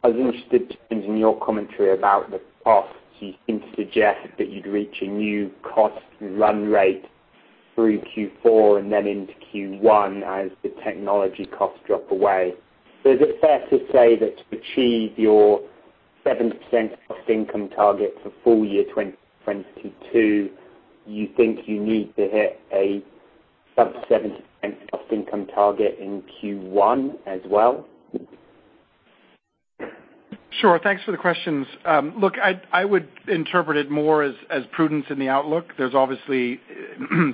I was interested in your commentary about the costs. You seem to suggest that you'd reach a new cost run rate through Q4 and then into Q1 as the technology costs drop away. Is it fair to say that to achieve your 7% cost income target for full year 2022, you think you need to hit a sub-7% cost income target in Q1 as well? Sure. Thanks for the questions. Look, I would interpret it more as prudence in the outlook. There's obviously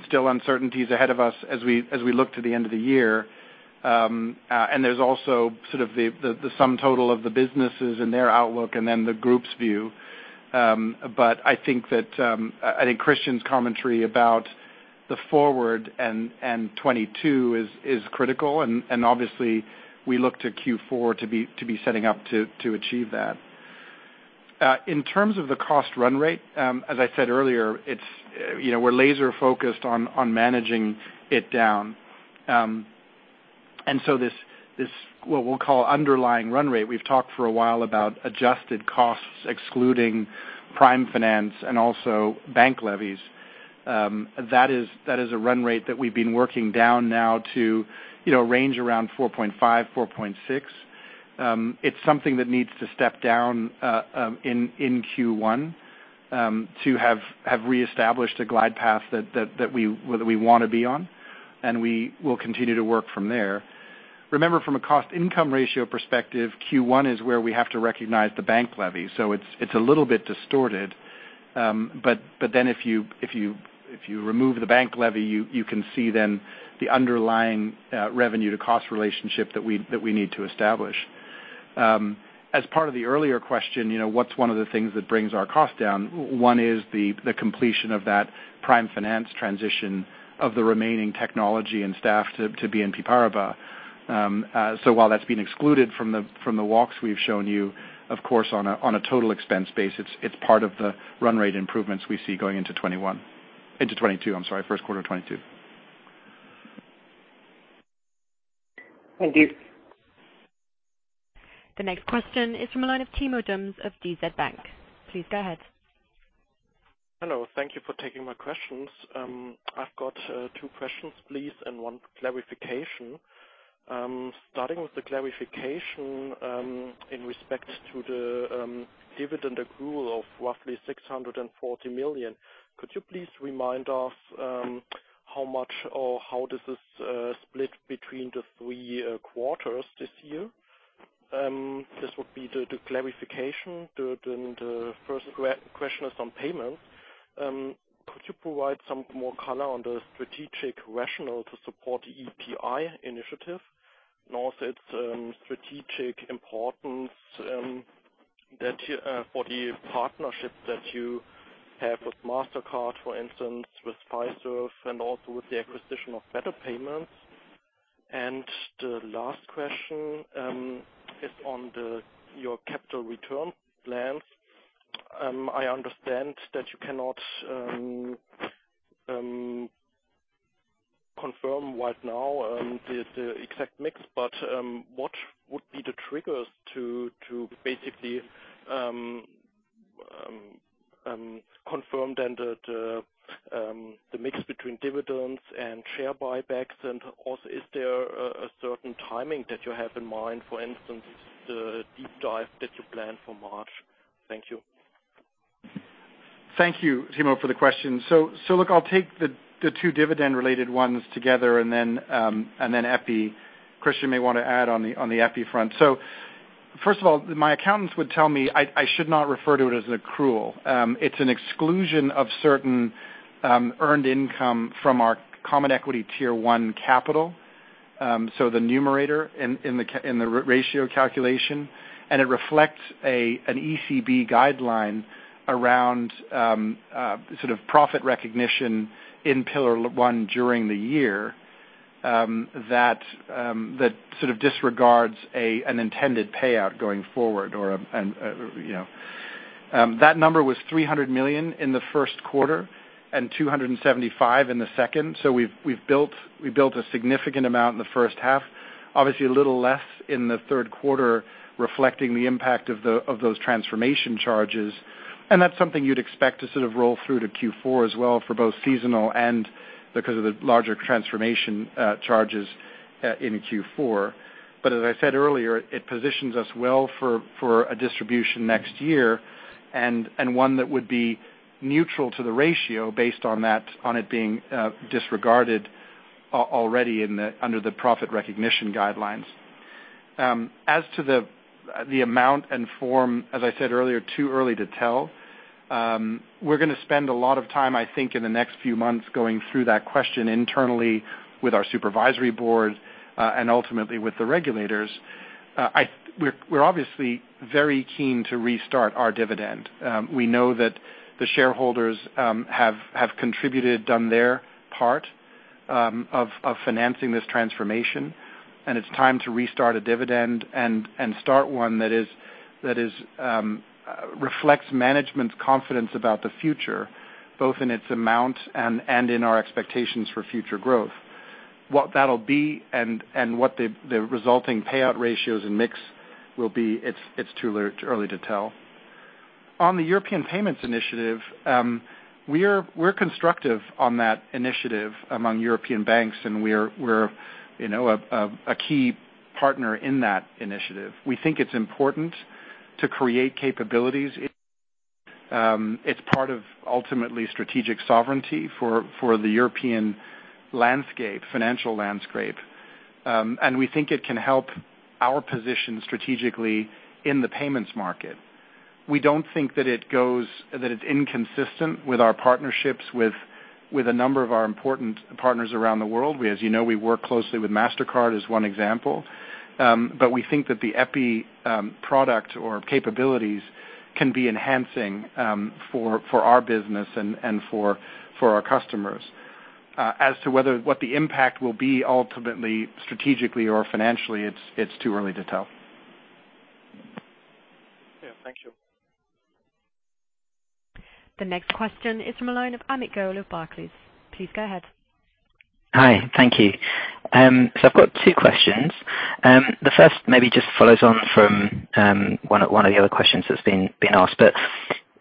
still uncertainties ahead of us as we look to the end of the year. There's also sort of the sum total of the businesses and their outlook and then the group's view. I think that Christian's commentary about the forward and 2022 is critical, and obviously we look to Q4 to be setting up to achieve that. In terms of the cost run rate, as I said earlier, it's, you know, we're laser focused on managing it down. This, what we'll call underlying run rate, we've talked for a while about adjusted costs, excluding Prime Finance and also bank levies. That is a run rate that we've been working down now to, you know, range around 4.5-4.6. It's something that needs to step down in Q1 to have reestablished a glide path that we want to be on, and we will continue to work from there. Remember, from a cost income ratio perspective, Q1 is where we have to recognize the bank levy. It's a little bit distorted. If you remove the bank levy, you can see then the underlying revenue to cost relationship that we need to establish. As part of the earlier question, you know, what's one of the things that brings our cost down? One is the completion of that Prime Finance transition of the remaining technology and staff to be in BNP Paribas. So while that's been excluded from the walks we've shown you, of course, on a total expense basis, it's part of the run rate improvements we see going into 2021 into 2022, I'm sorry, first quarter 2022. Thank you. The next question is from the line of Timo Dums of DZ Bank. Please go ahead. Hello. Thank you for taking my questions. I've got two questions, please, and one clarification. Starting with the clarification, in respect to the dividend accrual of roughly 640 million. Could you please remind us how much or how does this split between the three quarters this year? This would be the clarification. The first question is on payments. Could you provide some more color on the strategic rationale to support EPI initiative, and also its strategic importance for the partnership that you have with Mastercard, for instance, with Fiserv, and also with the acquisition of Better Payment? The last question is on your capital return plans. I understand that you cannot confirm right now the exact mix, but what would be the triggers to basically confirm then that the mix between dividends and share buybacks? And also, is there a certain timing that you have in mind, for instance, the Deep Dive that you plan for March? Thank you. Thank you, Timo, for the question. Look, I'll take the two dividend related ones together, and then EPI. Christian may wanna add on the EPI front. First of all, my accountants would tell me I should not refer to it as accrual. It's an exclusion of certain earned income from our common equity tier one capital. So the numerator in the ratio calculation, and it reflects an ECB guideline around sort of profit recognition in Pillar 1 during the year, that sort of disregards an intended payout going forward or, you know. That number was 300 million in the first quarter and 275 million in the second. We've built a significant amount in the first half, obviously a little less in the third quarter, reflecting the impact of those transformation charges. That's something you'd expect to sort of roll through to Q4 as well for both seasonal and because of the larger transformation charges in Q4. As I said earlier, it positions us well for a distribution next year, and one that would be neutral to the ratio based on that, on it being disregarded already under the profit recognition guidelines. As to the amount and form, as I said earlier, too early to tell. We're gonna spend a lot of time, I think, in the next few months going through that question internally with our supervisory board, and ultimately with the regulators. We're obviously very keen to restart our dividend. We know that the shareholders have contributed, done their part of financing this transformation, and it's time to restart a dividend and start one that reflects management's confidence about the future, both in its amount and in our expectations for future growth. What that'll be and what the resulting payout ratios and mix will be, it's too early to tell. On the European Payments Initiative, we're constructive on that initiative among European banks, and we're you know a key partner in that initiative. We think it's important to create capabilities. It's part of ultimately strategic sovereignty for the European landscape, financial landscape. We think it can help our position strategically in the payments market. We don't think that it's inconsistent with our partnerships with a number of our important partners around the world. We, as you know, work closely with Mastercard as one example. But we think that the EPI product or capabilities can be enhancing for our business and for our customers. As to what the impact will be ultimately strategically or financially, it's too early to tell. Yeah. Thank you. The next question is from a line of Amit Goel of Barclays. Please go ahead. Hi. Thank you. I've got two questions. The first maybe just follows on from one of the other questions that's been asked.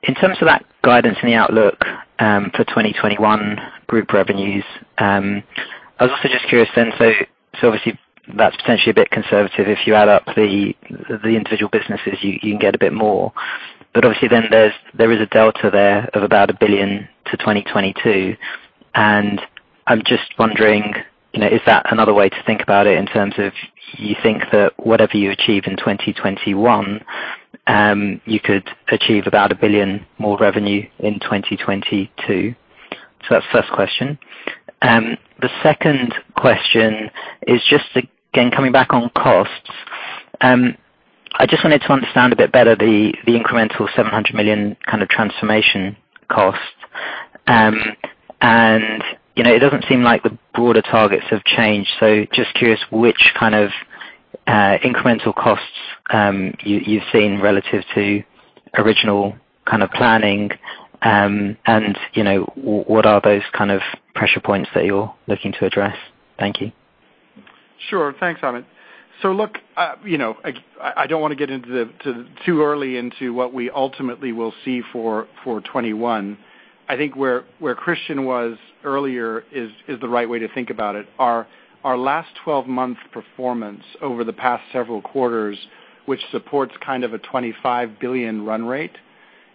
In terms of that guidance and the outlook for 2021 group revenues, I was also just curious then, so obviously that's potentially a bit conservative. If you add up the individual businesses, you can get a bit more. Obviously then there is a delta there of about 1 billion to 2022. I'm just wondering, you know, is that another way to think about it in terms of you think that whatever you achieve in 2021, you could achieve about 1 billion more revenue in 2022? That's the first question. The second question is just, again, coming back on costs. I just wanted to understand a bit better the incremental 700 million kind of transformation costs. You know, it doesn't seem like the broader targets have changed. Just curious which kind of incremental costs you've seen relative to original kind of planning. You know, what are those kind of pressure points that you're looking to address? Thank you. Sure. Thanks, Amit. Look, you know, I don't wanna get into it too early into what we ultimately will see for 2021. I think where Christian was earlier is the right way to think about it. Our last 12-month performance over the past several quarters, which supports kind of a 25 billion run rate,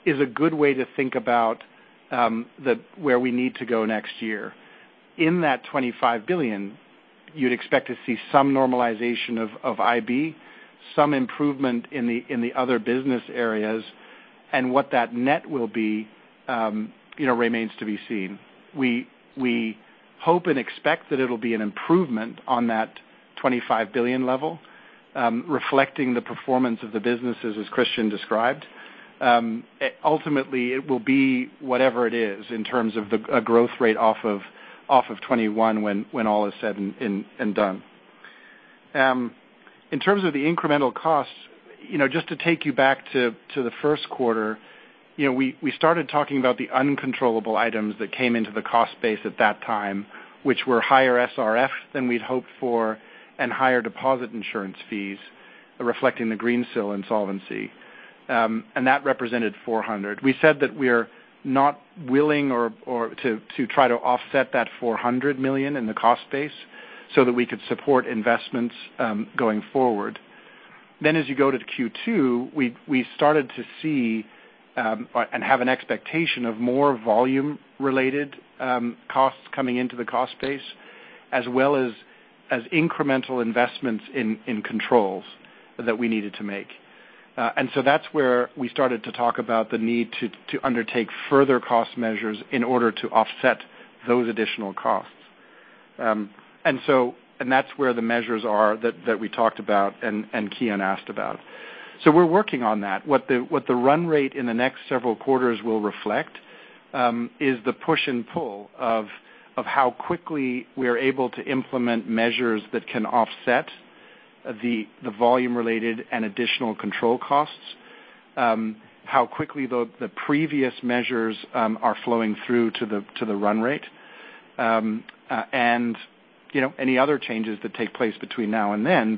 is a good way to think about the way we need to go next year. In that 25 billion, you'd expect to see some normalization of IB, some improvement in the other business areas, and what that net will be, you know, remains to be seen. We hope and expect that it'll be an improvement on that 25 billion level, reflecting the performance of the businesses as Christian described. Ultimately, it will be whatever it is in terms of the growth rate off of 2021 when all is said and done. In terms of the incremental costs, you know, just to take you back to the first quarter, you know, we started talking about the uncontrollable items that came into the cost base at that time, which were higher SRF than we'd hoped for and higher deposit insurance fees reflecting the Greensill insolvency, and that represented 400 million. We said that we are not willing or to try to offset that 400 million in the cost base so that we could support investments going forward. As you go to Q2, we started to see and have an expectation of more volume-related costs coming into the cost base as well as incremental investments in controls that we needed to make. That's where we started to talk about the need to undertake further cost measures in order to offset those additional costs. That's where the measures are that we talked about and Kian asked about. We're working on that. What the run rate in the next several quarters will reflect is the push and pull of how quickly we are able to implement measures that can offset the volume related and additional control costs, how quickly the previous measures are flowing through to the run rate, and you know any other changes that take place between now and then.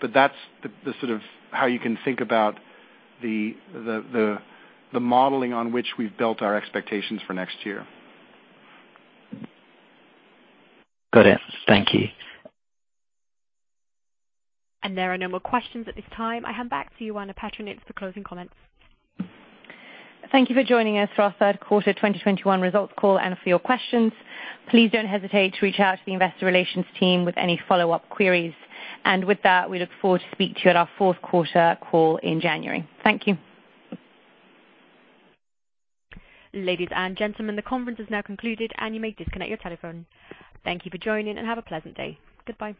That's the sort of how you can think about the modeling on which we've built our expectations for next year. Got it. Thank you. There are no more questions at this time. I hand back to you, Ioana Patriniche, for closing comments. Thank you for joining us for our third quarter 2021 results call and for your questions. Please don't hesitate to reach out to the investor relations team with any follow-up queries. With that, we look forward to speak to you at our fourth quarter call in January. Thank you. Ladies and gentlemen, the conference is now concluded, and you may disconnect your telephone. Thank you for joining, and have a pleasant day. Goodbye.